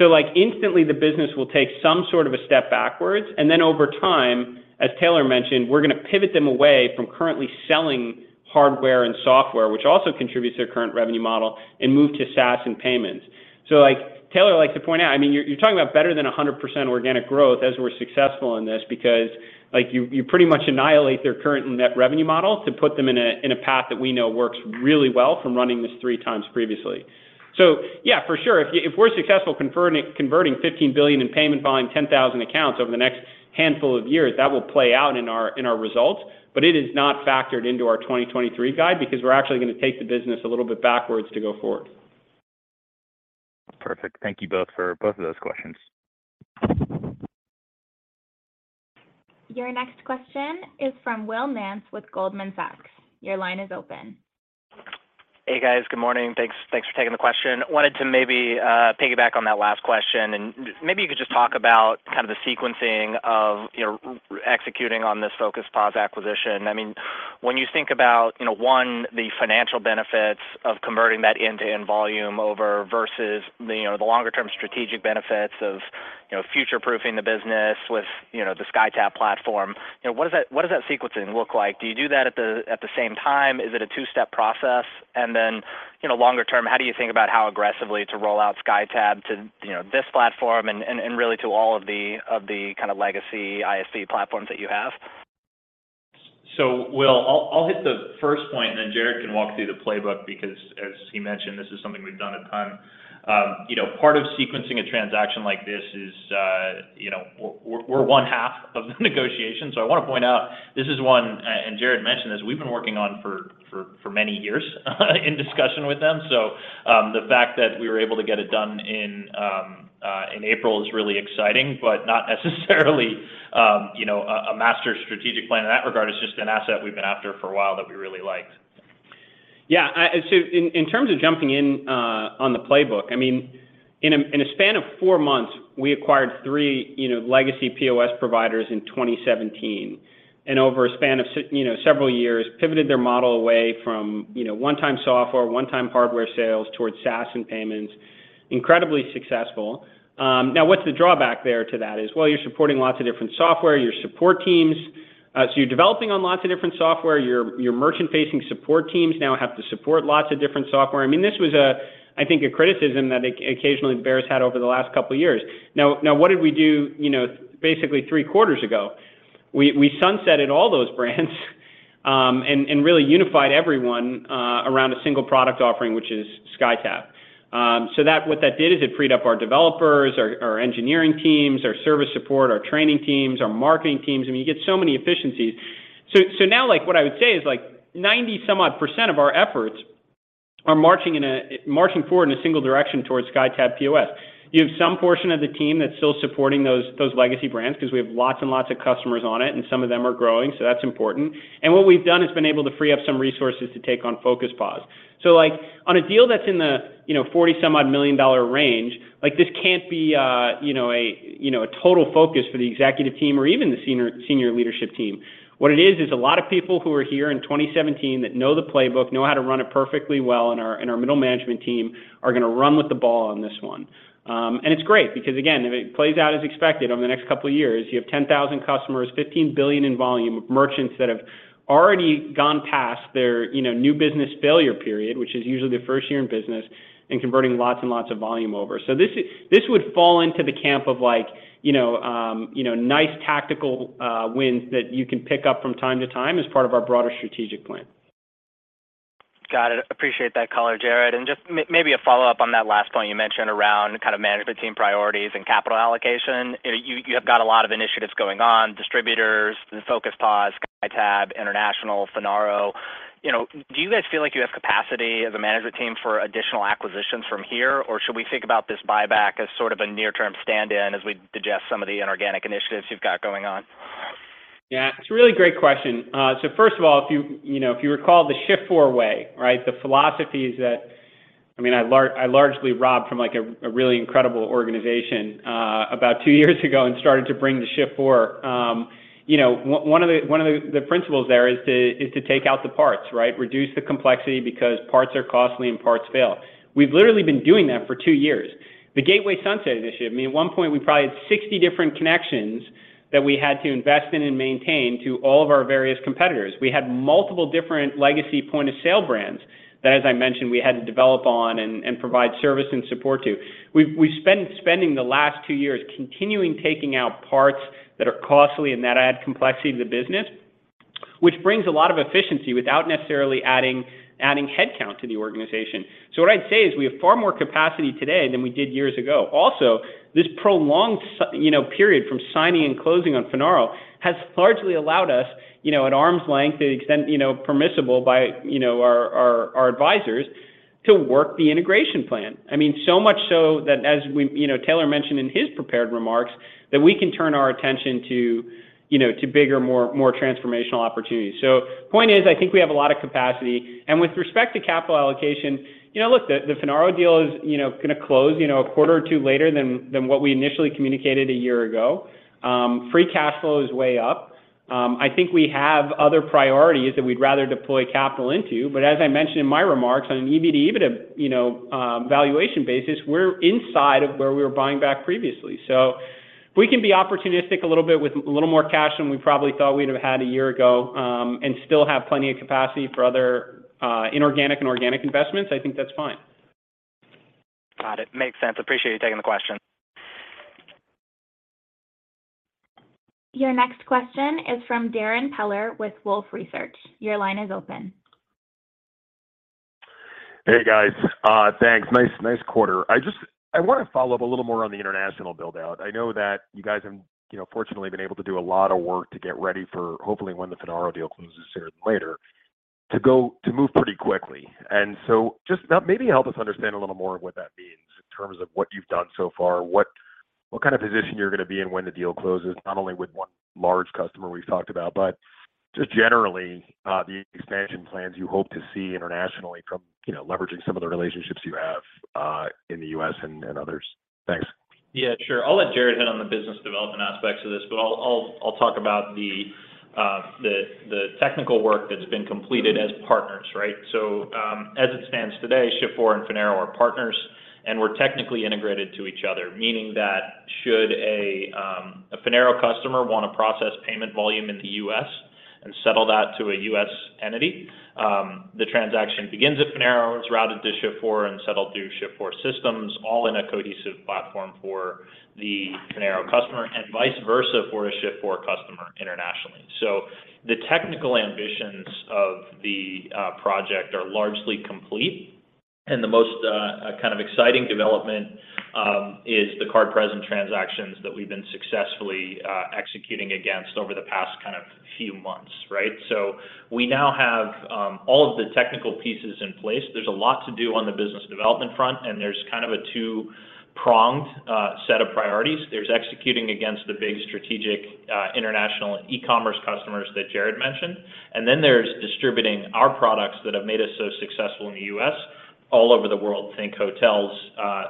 Like, instantly the business will take some sort of a step backwards, and then over time, as Taylor mentioned, we're gonna pivot them away from currently selling hardware and software, which also contributes to their current revenue model, and move to SaaS and payments. Like, Taylor likes to point out, I mean, you're talking about better than a 100% organic growth as we're successful in this because, like, you pretty much annihilate their current and net revenue model to put them in a path that we know works really well from running this 3x previously. Yeah, for sure, if we're successful converting $15 billion in payment volume, 10,000 accounts over the next handful of years, that will play out in our results, but it is not factored into our 2023 guide because we're actually gonna take the business a little bit backwards to go forward. Perfect. Thank you both for both of those questions. Your next question is from Will Nance with Goldman Sachs. Your line is open. Hey guys. Good morning. Thanks, thanks for taking the question. Wanted to maybe piggyback on that last question, and maybe you could just talk about kind of the sequencing of, you know, executing on this Focus POS acquisition. I mean, when you think about, you know, one, the financial benefits of converting that end-to-end volume over versus the, you know, the longer term strategic benefits of, you know, future-proofing the business with, you know, the SkyTab platform, you know, what does that, what does that sequencing look like? Do you do that at the, at the same time? Is it a two-step process? And then, you know, longer term, how do you think about how aggressively to roll out SkyTab to, you know, this platform and, and really to all of the, of the kind of legacy ISV platforms that you have? Will, I'll hit the first point, and then Jared can walk through the playbook because as he mentioned, this is something we've done a ton. You know, part of sequencing a transaction like this is, you know, we're one half of the negotiation. I wanna point out this is one, and Jared mentioned this, we've been working on for many years, in discussion with them. The fact that we were able to get it done in April is really exciting, but not necessarily, you know, a master strategic plan in that regard. It's just an asset we've been after for a while that we really liked. Yeah. So in terms of jumping in on the playbook, I mean, in a, in a span of four months, we acquired three, you know, legacy POS providers in 2017, over a span of you know, several years, pivoted their model away from, you know, one-time software, one-time hardware sales towards SaaS and payments. Incredibly successful. Now what's the drawback there to that is, well, you're supporting lots of different software, your support teams. You're developing on lots of different software. Your, your merchant-facing support teams now have to support lots of different software. I mean, this was a, I think, a criticism that occasionally bears had over the last couple years. Now what did we do, you know, basically three quarters ago? We sunsetted all those brands and really unified everyone around a single product offering, which is SkyTab. What that did is it freed up our developers, our engineering teams, our service support, our training teams, our marketing teams. I mean, you get so many efficiencies. Now, like, what I would say is, like, 90-some odd percent of our efforts are marching forward in a single direction towards SkyTab POS. You have some portion of the team that's still supporting those legacy brands 'cause we have lots and lots of customers on it, and some of them are growing, so that's important. What we've done has been able to free up some resources to take on Focus POS. Like, on a deal that's in the, you know, $40 some odd million range, like, this can't be, you know, a, you know, a total focus for the executive team or even the senior leadership team. What it is a lot of people who are here in 2017 that know the playbook, know how to run it perfectly well and our middle management team are gonna run with the ball on this one. It's great because again, if it plays out as expected over the next couple of years, you have 10,000 customers, $15 billion in volume of merchants that have already gone past their, you know, new business failure period, which is usually the first year in business, and converting lots and lots of volume over. This would fall into the camp of like, you know, you know, nice tactical wins that you can pick up from time to time as part of our broader strategic plan. Got it. Appreciate that color, Jared. Just maybe a follow-up on that last point you mentioned around kind of management team priorities and capital allocation. You have got a lot of initiatives going on, distributors, the Focus POS, SkyTab, international, Finaro. You know, do you guys feel like you have capacity as a management team for additional acquisitions from here, or should we think about this buyback as sort of a near-term stand-in as we digest some of the inorganic initiatives you've got going on? It's a really great question. If you know, if you recall the Shift4 Way, right? The philosophies that, I mean, I largely robbed from, like, a really incredible organization, about two years ago and started to bring to Shift4. You know, one of the principles there is to take out the parts, right? Reduce the complexity because parts are costly and parts fail. We've literally been doing that for two years. The Gateway Sunset initiative, I mean, at one point, we probably had 60 different connections that we had to invest in and maintain to all of our various competitors. We had multiple different legacy point-of-sale brands that, as I mentioned, we had to develop on and provide service and support to. We've spent spending the last two years continuing taking out parts that are costly and that add complexity to the business, which brings a lot of efficiency without necessarily adding headcount to the organization. What I'd say is we have far more capacity today than we did years ago. Also, this prolonged you know, period from signing and closing on Finaro has largely allowed us, you know, at arm's length to the extent, you know, permissible by, you know, our, our advisors to work the integration plan. I mean, so much so that as we you know, Taylor mentioned in his prepared remarks that we can turn our attention to, you know, to bigger, more, more transformational opportunities. Point is, I think we have a lot of capacity. With respect to capital allocation, you know, look, the Finaro deal is, you know, gonna close, you know, a quarter or two later than what we initially communicated a year ago. Free cash flow is way up. I think we have other priorities that we'd rather deploy capital into. As I mentioned in my remarks on an EBITDA, you know, valuation basis, we're inside of where we were buying back previously. If we can be opportunistic a little bit with a little more cash than we probably thought we'd have had a year ago, and still have plenty of capacity for other inorganic and organic investments, I think that's fine. Got it. Makes sense. Appreciate you taking the question. Your next question is from Darrin Peller with Wolfe Research. Your line is open. Hey, guys. Thanks. Nice, nice quarter. I wanna follow up a little more on the international build-out. I know that you guys have, you know, fortunately been able to do a lot of work to get ready for hopefully when the Finaro deal closes sooner than later, to move pretty quickly. Just now maybe help us understand a little more of what that means. In terms of what you've done so far, what kind of position you're gonna be in when the deal closes, not only with one large customer we've talked about, but just generally, the expansion plans you hope to see internationally from, you know, leveraging some of the relationships you have in the U.S. and others. Thanks. Yeah, sure. I'll let Jared hit on the business development aspects of this, but I'll talk about the technical work that's been completed as partners, right? As it stands today, Shift4 and Finaro are partners, and we're technically integrated to each other, meaning that should a Finaro customer wanna process payment volume in the U.S. and settle that to a U.S. entity, the transaction begins at Finaro, is routed to Shift4 and settled through Shift4 systems, all in a cohesive platform for the Finaro customer, and vice versa for a Shift4 customer internationally. The technical ambitions of the project are largely complete, and the most kind of exciting development is the card present transactions that we've been successfully executing against over the past kind of few months, right? We now have all of the technical pieces in place. There's a lot to do on the business development front, and there's kind of a two-pronged set of priorities. There's executing against the big strategic international e-commerce customers that Jared mentioned, and then there's distributing our products that have made us so successful in the U.S. all over the world. Think hotels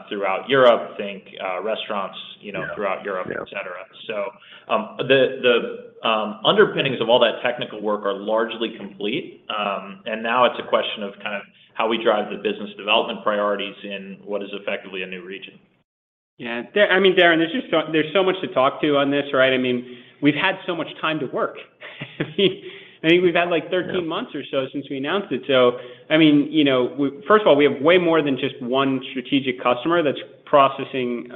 throughout Europe, think restaurants, you know- Yeah.... throughout Europe, et cetera. Yeah. The underpinnings of all that technical work are largely complete, and now it's a question of kind of how we drive the business development priorities in what is effectively a new region. I mean, Darrin, there's so much to talk to on this, right? I mean, we've had so much time to work. I think we've had, like, 13 months or so since we announced it. I mean, you know, first of all, we have way more than just one strategic customer that's processing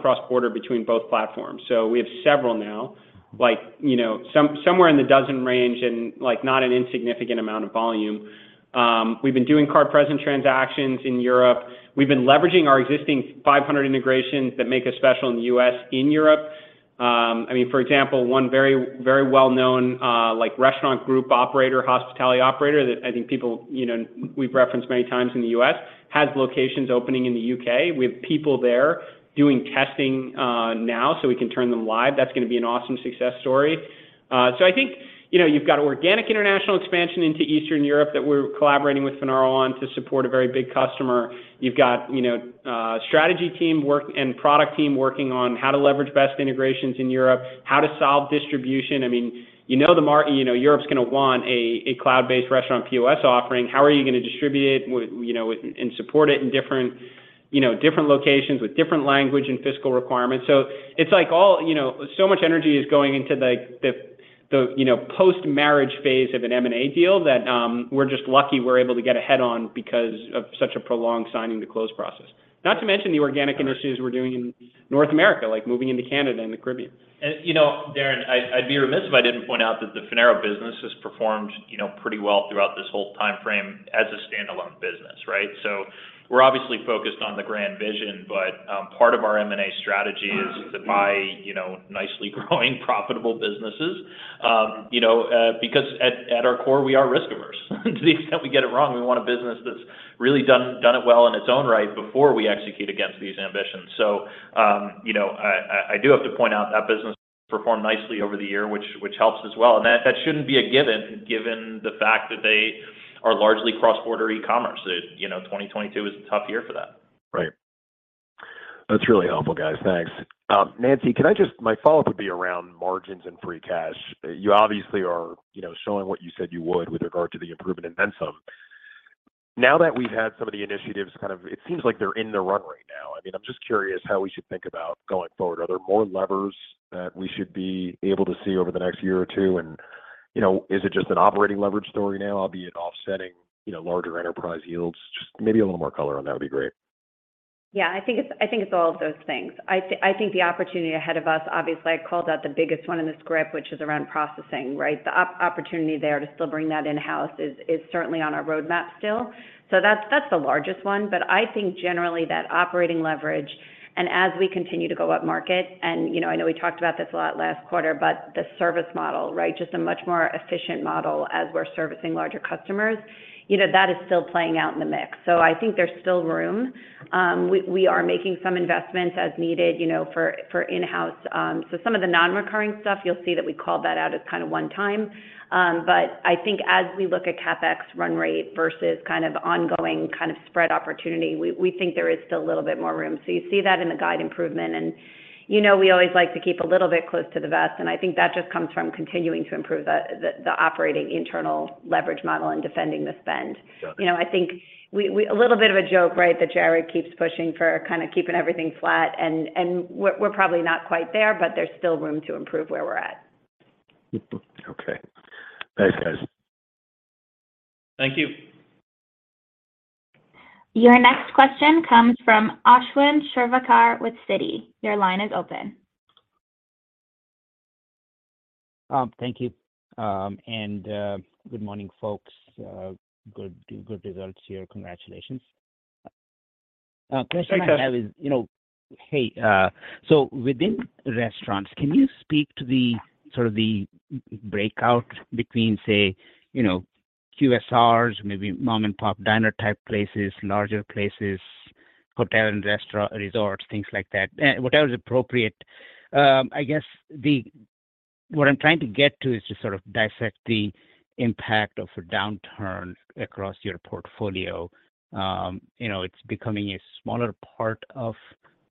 cross-border between both platforms. We have several now, like, you know, somewhere in the dozen range and, like, not an insignificant amount of volume. I mean, we've been doing card present transactions in Europe. We've been leveraging our existing 500 integrations that make us special in the U.S. in Europe. I mean, for example, one very, very well-known, like, restaurant group operator, hospitality operator that I think people, you know, we've referenced many times in the U.S., has locations opening in the U.K. We have people there doing testing, now so we can turn them live. That's gonna be an awesome success story. I think, you know, you've got organic international expansion into Eastern Europe that we're collaborating with Finaro on to support a very big customer. You've got, you know, strategy team work and product team working on how to leverage best integrations in Europe, how to solve distribution. I mean, you know, you know Europe's gonna want a cloud-based restaurant POS offering. How are you gonna distribute it you know, and support it in different, you know, different locations with different language and fiscal requirements? It's like all, you know, so much energy is going into, like, the, you know, post-marriage phase of an M&A deal that, we're just lucky we're able to get a head on because of such a prolonged signing to close process. Not to mention the organic initiatives we're doing in North America, like moving into Canada and the Caribbean. you know, Darrin, I'd be remiss if I didn't point out that the Finaro business has performed, you know, pretty well throughout this whole timeframe as a standalone business, right? We're obviously focused on the grand vision, but part of our M&A strategy is to buy, you know, nicely growing profitable businesses, you know, because at our core, we are risk-averse. To the extent we get it wrong, we want a business that's really done it well in its own right before we execute against these ambitions. you know, I do have to point out that business performed nicely over the year, which helps as well, and that shouldn't be a given the fact that they are largely cross-border e-commerce. You know, 2022 is a tough year for that. Right. That's really helpful, guys. Thanks. Nancy, my follow-up would be around margins and free cash. You obviously are, you know, showing what you said you would with regard to the improvement in VenueNext. Now that we've had some of the initiatives, it seems like they're in the run right now. I mean, I'm just curious how we should think about going forward. Are there more levers that we should be able to see over the next year or two? You know, is it just an operating leverage story now, albeit offsetting, you know, larger enterprise yields? Just maybe a little more color on that would be great. I think it's all of those things. I think the opportunity ahead of us, obviously, I called out the biggest one in the script, which is around processing, right? The opportunity there to still bring that in-house is certainly on our roadmap still. That's the largest one. I think generally that operating leverage and as we continue to go upmarket and, you know, I know we talked about this a lot last quarter, but the service model, right? Just a much more efficient model as we're servicing larger customers. You know, that is still playing out in the mix. I think there's still room. We are making some investments as needed, you know, for in-house. Some of the non-recurring stuff, you'll see that we call that out as kinda one time. I think as we look at CapEx run rate versus kind of ongoing kind of spread opportunity, we think there is still a little bit more room. You see that in the guide improvement, you know, we always like to keep a little bit close to the vest. I think that just comes from continuing to improve the operating internal leverage model and defending the spend Got it. You know, I think we, a little bit of a joke, right, that Jared keeps pushing for kinda keeping everything flat, and we're probably not quite there, but there's still room to improve where we're at. Okay. Thanks, guys. Thank you. Your next question comes from Ashwin Shirvaikar with Citi. Your line is open. Thank you, and, good morning, folks. Good results here. Congratulations. Question I have is. Thanks, Ashwin. You know, hey, within restaurants, can you speak to the sort of the breakout between, say, you know QSRs, maybe mom-and-pop diner type places, larger places, hotel and restaurant resorts, things like that. Whatever is appropriate. I guess what I'm trying to get to is just sort of dissect the impact of a downturn across your portfolio. You know, it's becoming a smaller part of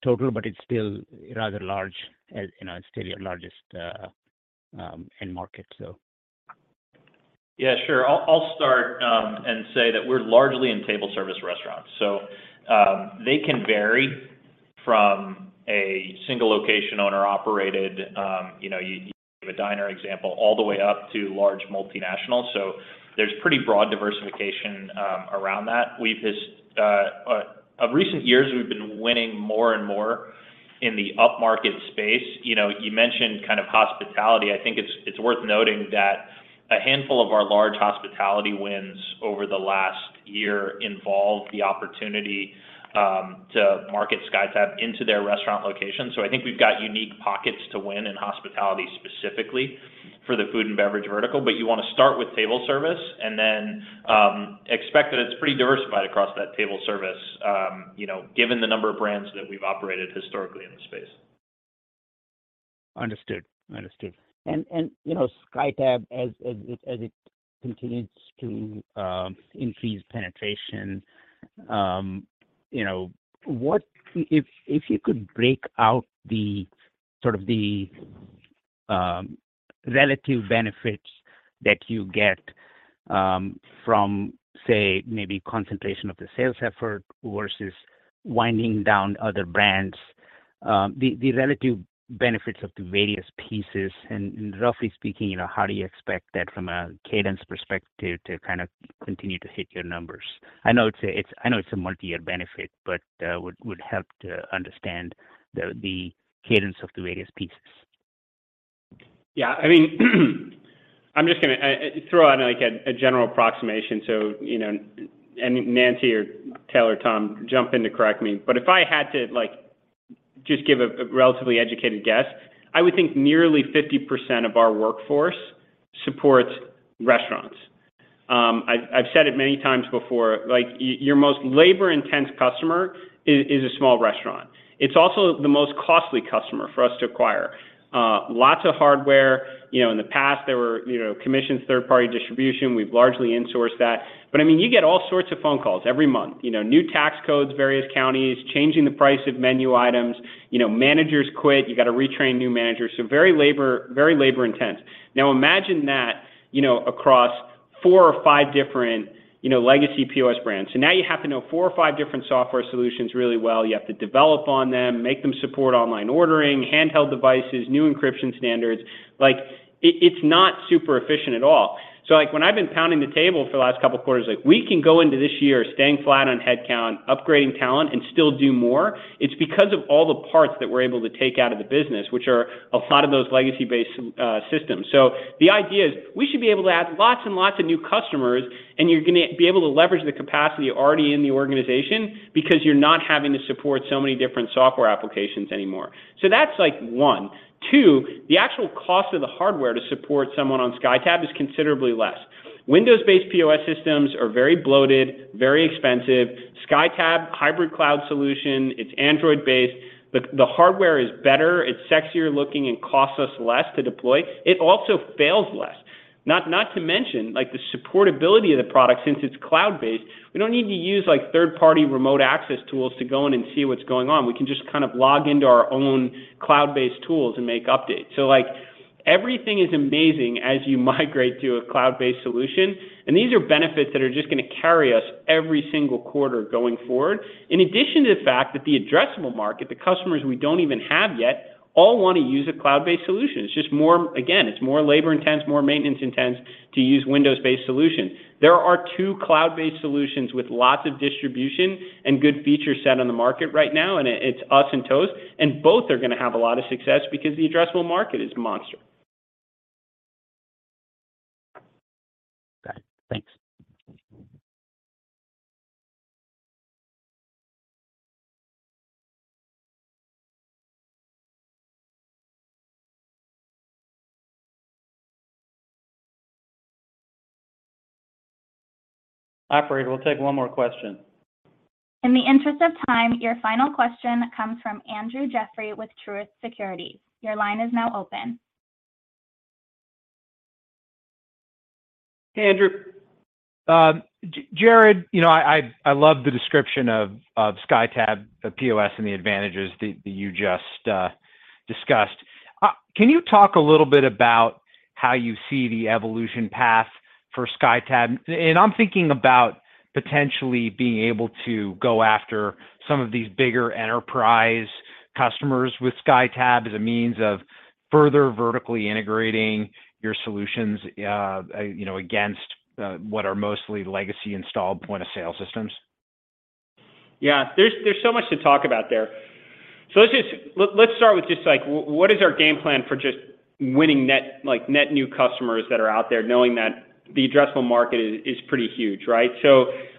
total, but it's still rather large. You know, it's still your largest end market. Sure. I'll start and say that we're largely in table service restaurants. They can vary from a single location owner-operated, you know, you gave a diner example, all the way up to large multinationals. There's pretty broad diversification around that. We've just of recent years, we've been winning more and more in the upmarket space. You know, you mentioned kind of hospitality. I think it's worth noting that a handful of our large hospitality wins over the last year involved the opportunity to market SkyTab into their restaurant location. I think we've got unique pockets to win in hospitality, specifically for the food and beverage vertical. You want to start with table service and then expect that it's pretty diversified across that table service, you know, given the number of brands that we've operated historically in the space. Understood. Understood. You know, SkyTab as it continues to increase penetration, you know, If you could break out the sort of the relative benefits that you get from, say, maybe concentration of the sales effort versus winding down other brands, the relative benefits of the various pieces. Roughly speaking, you know, how do you expect that from a cadence perspective to kind of continue to hit your numbers? I know it's a multi-year benefit, but would help to understand the cadence of the various pieces. I mean, I'm just gonna throw out like a general approximation. You know, and Nancy or Taylor, Tom, jump in to correct me. If I had to, like, just give a relatively educated guess, I would think nearly 50% of our workforce supports restaurants. I've said it many times before, like your most labor intense customer is a small restaurant. It's also the most costly customer for us to acquire. Lots of hardware. You know, in the past there were, you know, commissions, third party distribution. We've largely insourced that. I mean, you get all sorts of phone calls every month. You know, new tax codes, various counties, changing the price of menu items. You know, managers quit. You got to retrain new managers. Very labor intense. Imagine that, you know, across four or five different, you know, legacy POS brands. Now you have to know four or five different software solutions really well. You have to develop on them, make them support online ordering, handheld devices, new encryption standards. It, it's not super efficient at all. When I've been pounding the table for the last couple quarters, like we can go into this year staying flat on headcount, upgrading talent, and still do more. It's because of all the parts that we're able to take out of the business, which are a lot of those legacy-based systems. The idea is we should be able to add lots and lots of new customers, and you're gonna be able to leverage the capacity already in the organization because you're not having to support so many different software applications anymore. That's like one. Two, the actual cost of the hardware to support someone on SkyTab is considerably less. Windows-based POS systems are very bloated, very expensive. SkyTab, hybrid cloud solution. It's Android based. The hardware is better. It's sexier looking and costs us less to deploy. It also fails less. Not to mention like the supportability of the product. Since it's cloud-based, we don't need to use like third-party remote access tools to go in and see what's going on. We can just kind of log into our own cloud-based tools and make updates. Like everything is amazing as you migrate to a cloud-based solution, and these are benefits that are just going to carry us every single quarter going forward. In addition to the fact that the addressable market, the customers we don't even have yet, all want to use a cloud-based solution. It's just more, again, it's more labor intense, more maintenance intense to use Windows-based solutions. There are two cloud-based solutions with lots of distribution and good feature set on the market right now, and it's us and Toast, and both are going to have a lot of success because the addressable market is monster. Got it. Thanks. Operator, we'll take one more question. In the interest of time, your final question comes from Andrew Jeffrey with Truist Securities. Your line is now open. Hey, Andrew. Jared, you know, I love the description of SkyTab POS and the advantages that you just discussed. Can you talk a little bit about how you see the evolution path for SkyTab? I'm thinking about potentially being able to go after some of these bigger enterprise customers with SkyTab as a means of further vertically integrating your solutions, you know, against what are mostly legacy installed point of sale systems. Yeah, there's so much to talk about there. Let's start with just like what is our game plan for just winning net, like net new customers that are out there knowing that the addressable market is pretty huge, right?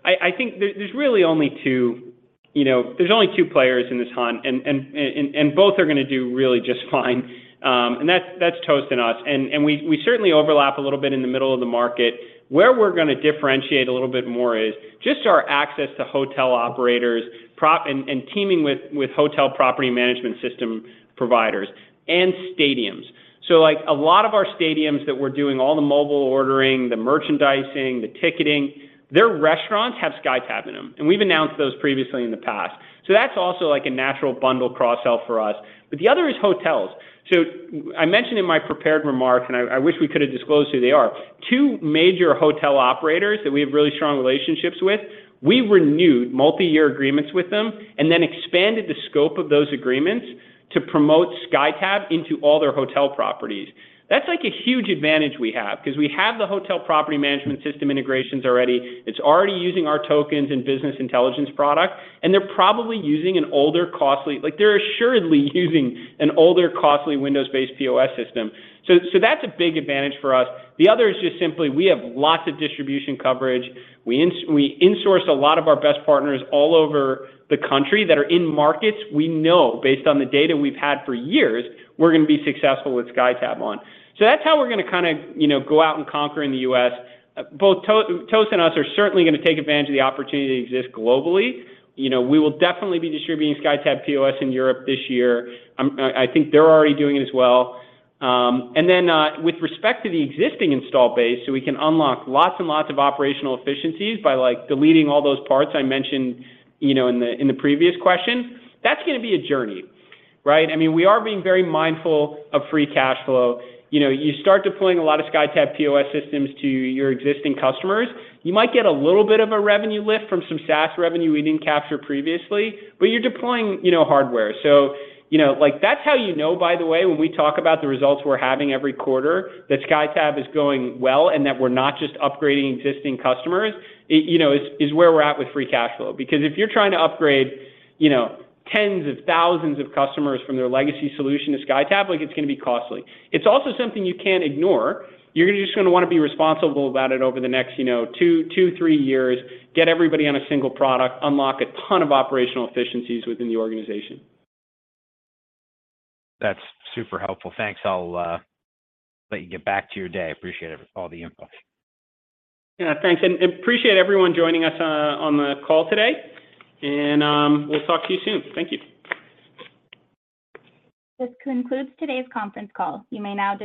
I think there's really only two. You know, there's only two players in this hunt, and both are gonna do really just fine. That's Toast and us. We certainly overlap a little bit in the middle of the market. Where we're gonna differentiate a little bit more is just our access to hotel operators, and teaming with hotel property management system providers and stadiums. Like, a lot of our stadiums that we're doing all the mobile ordering, the merchandising, the ticketing, their restaurants have SkyTab in them, and we've announced those previously in the past. That's also, like, a natural bundle cross-sell for us. The other is hotels. I mentioned in my prepared remarks, and I wish we could have disclosed who they are, two major hotel operators that we have really strong relationships with, we renewed multi-year agreements with them and then expanded the scope of those agreements to promote SkyTab into all their hotel properties. That's, like, a huge advantage we have because we have the hotel property management system integrations already. It's already using our tokens and business intelligence product, and they're probably using an older, costly. Like, they're assuredly using an older, costly Windows-based POS system. That's a big advantage for us. The other is just simply we have lots of distribution coverage. We insource a lot of our best partners all over the country that are in markets we know based on the data we've had for years we're gonna be successful with SkyTab on. That's how we're gonna kinda, you know, go out and conquer in the U.S. Both Toast and us are certainly gonna take advantage of the opportunity that exists globally. You know, we will definitely be distributing SkyTab POS in Europe this year. I think they're already doing it as well. With respect to the existing install base, we can unlock lots and lots of operational efficiencies by, like, deleting all those parts I mentioned, you know, in the previous question, that's gonna be a journey, right? I mean, we are being very mindful of free cash flow. You know, you start deploying a lot of SkyTab POS systems to your existing customers, you might get a little bit of a revenue lift from some SaaS revenue we didn't capture previously, but you're deploying, you know, hardware. You know, like, that's how you know, by the way, when we talk about the results we're having every quarter that SkyTab is going well and that we're not just upgrading existing customers, it, you know, is where we're at with free cash flow. If you're trying to upgrade, you know, tens of thousands of customers from their legacy solution to SkyTab, like, it's gonna be costly. It's also something you can't ignore. You're just gonna wanna be responsible about it over the next, you know, two, three years, get everybody on a single product, unlock a ton of operational efficiencies within the organization. That's super helpful. Thanks. I'll let you get back to your day. Appreciate it, all the input. Yeah. Thanks. Appreciate everyone joining us on the call today. We'll talk to you soon. Thank you. This concludes today's conference call. You may now disconnect.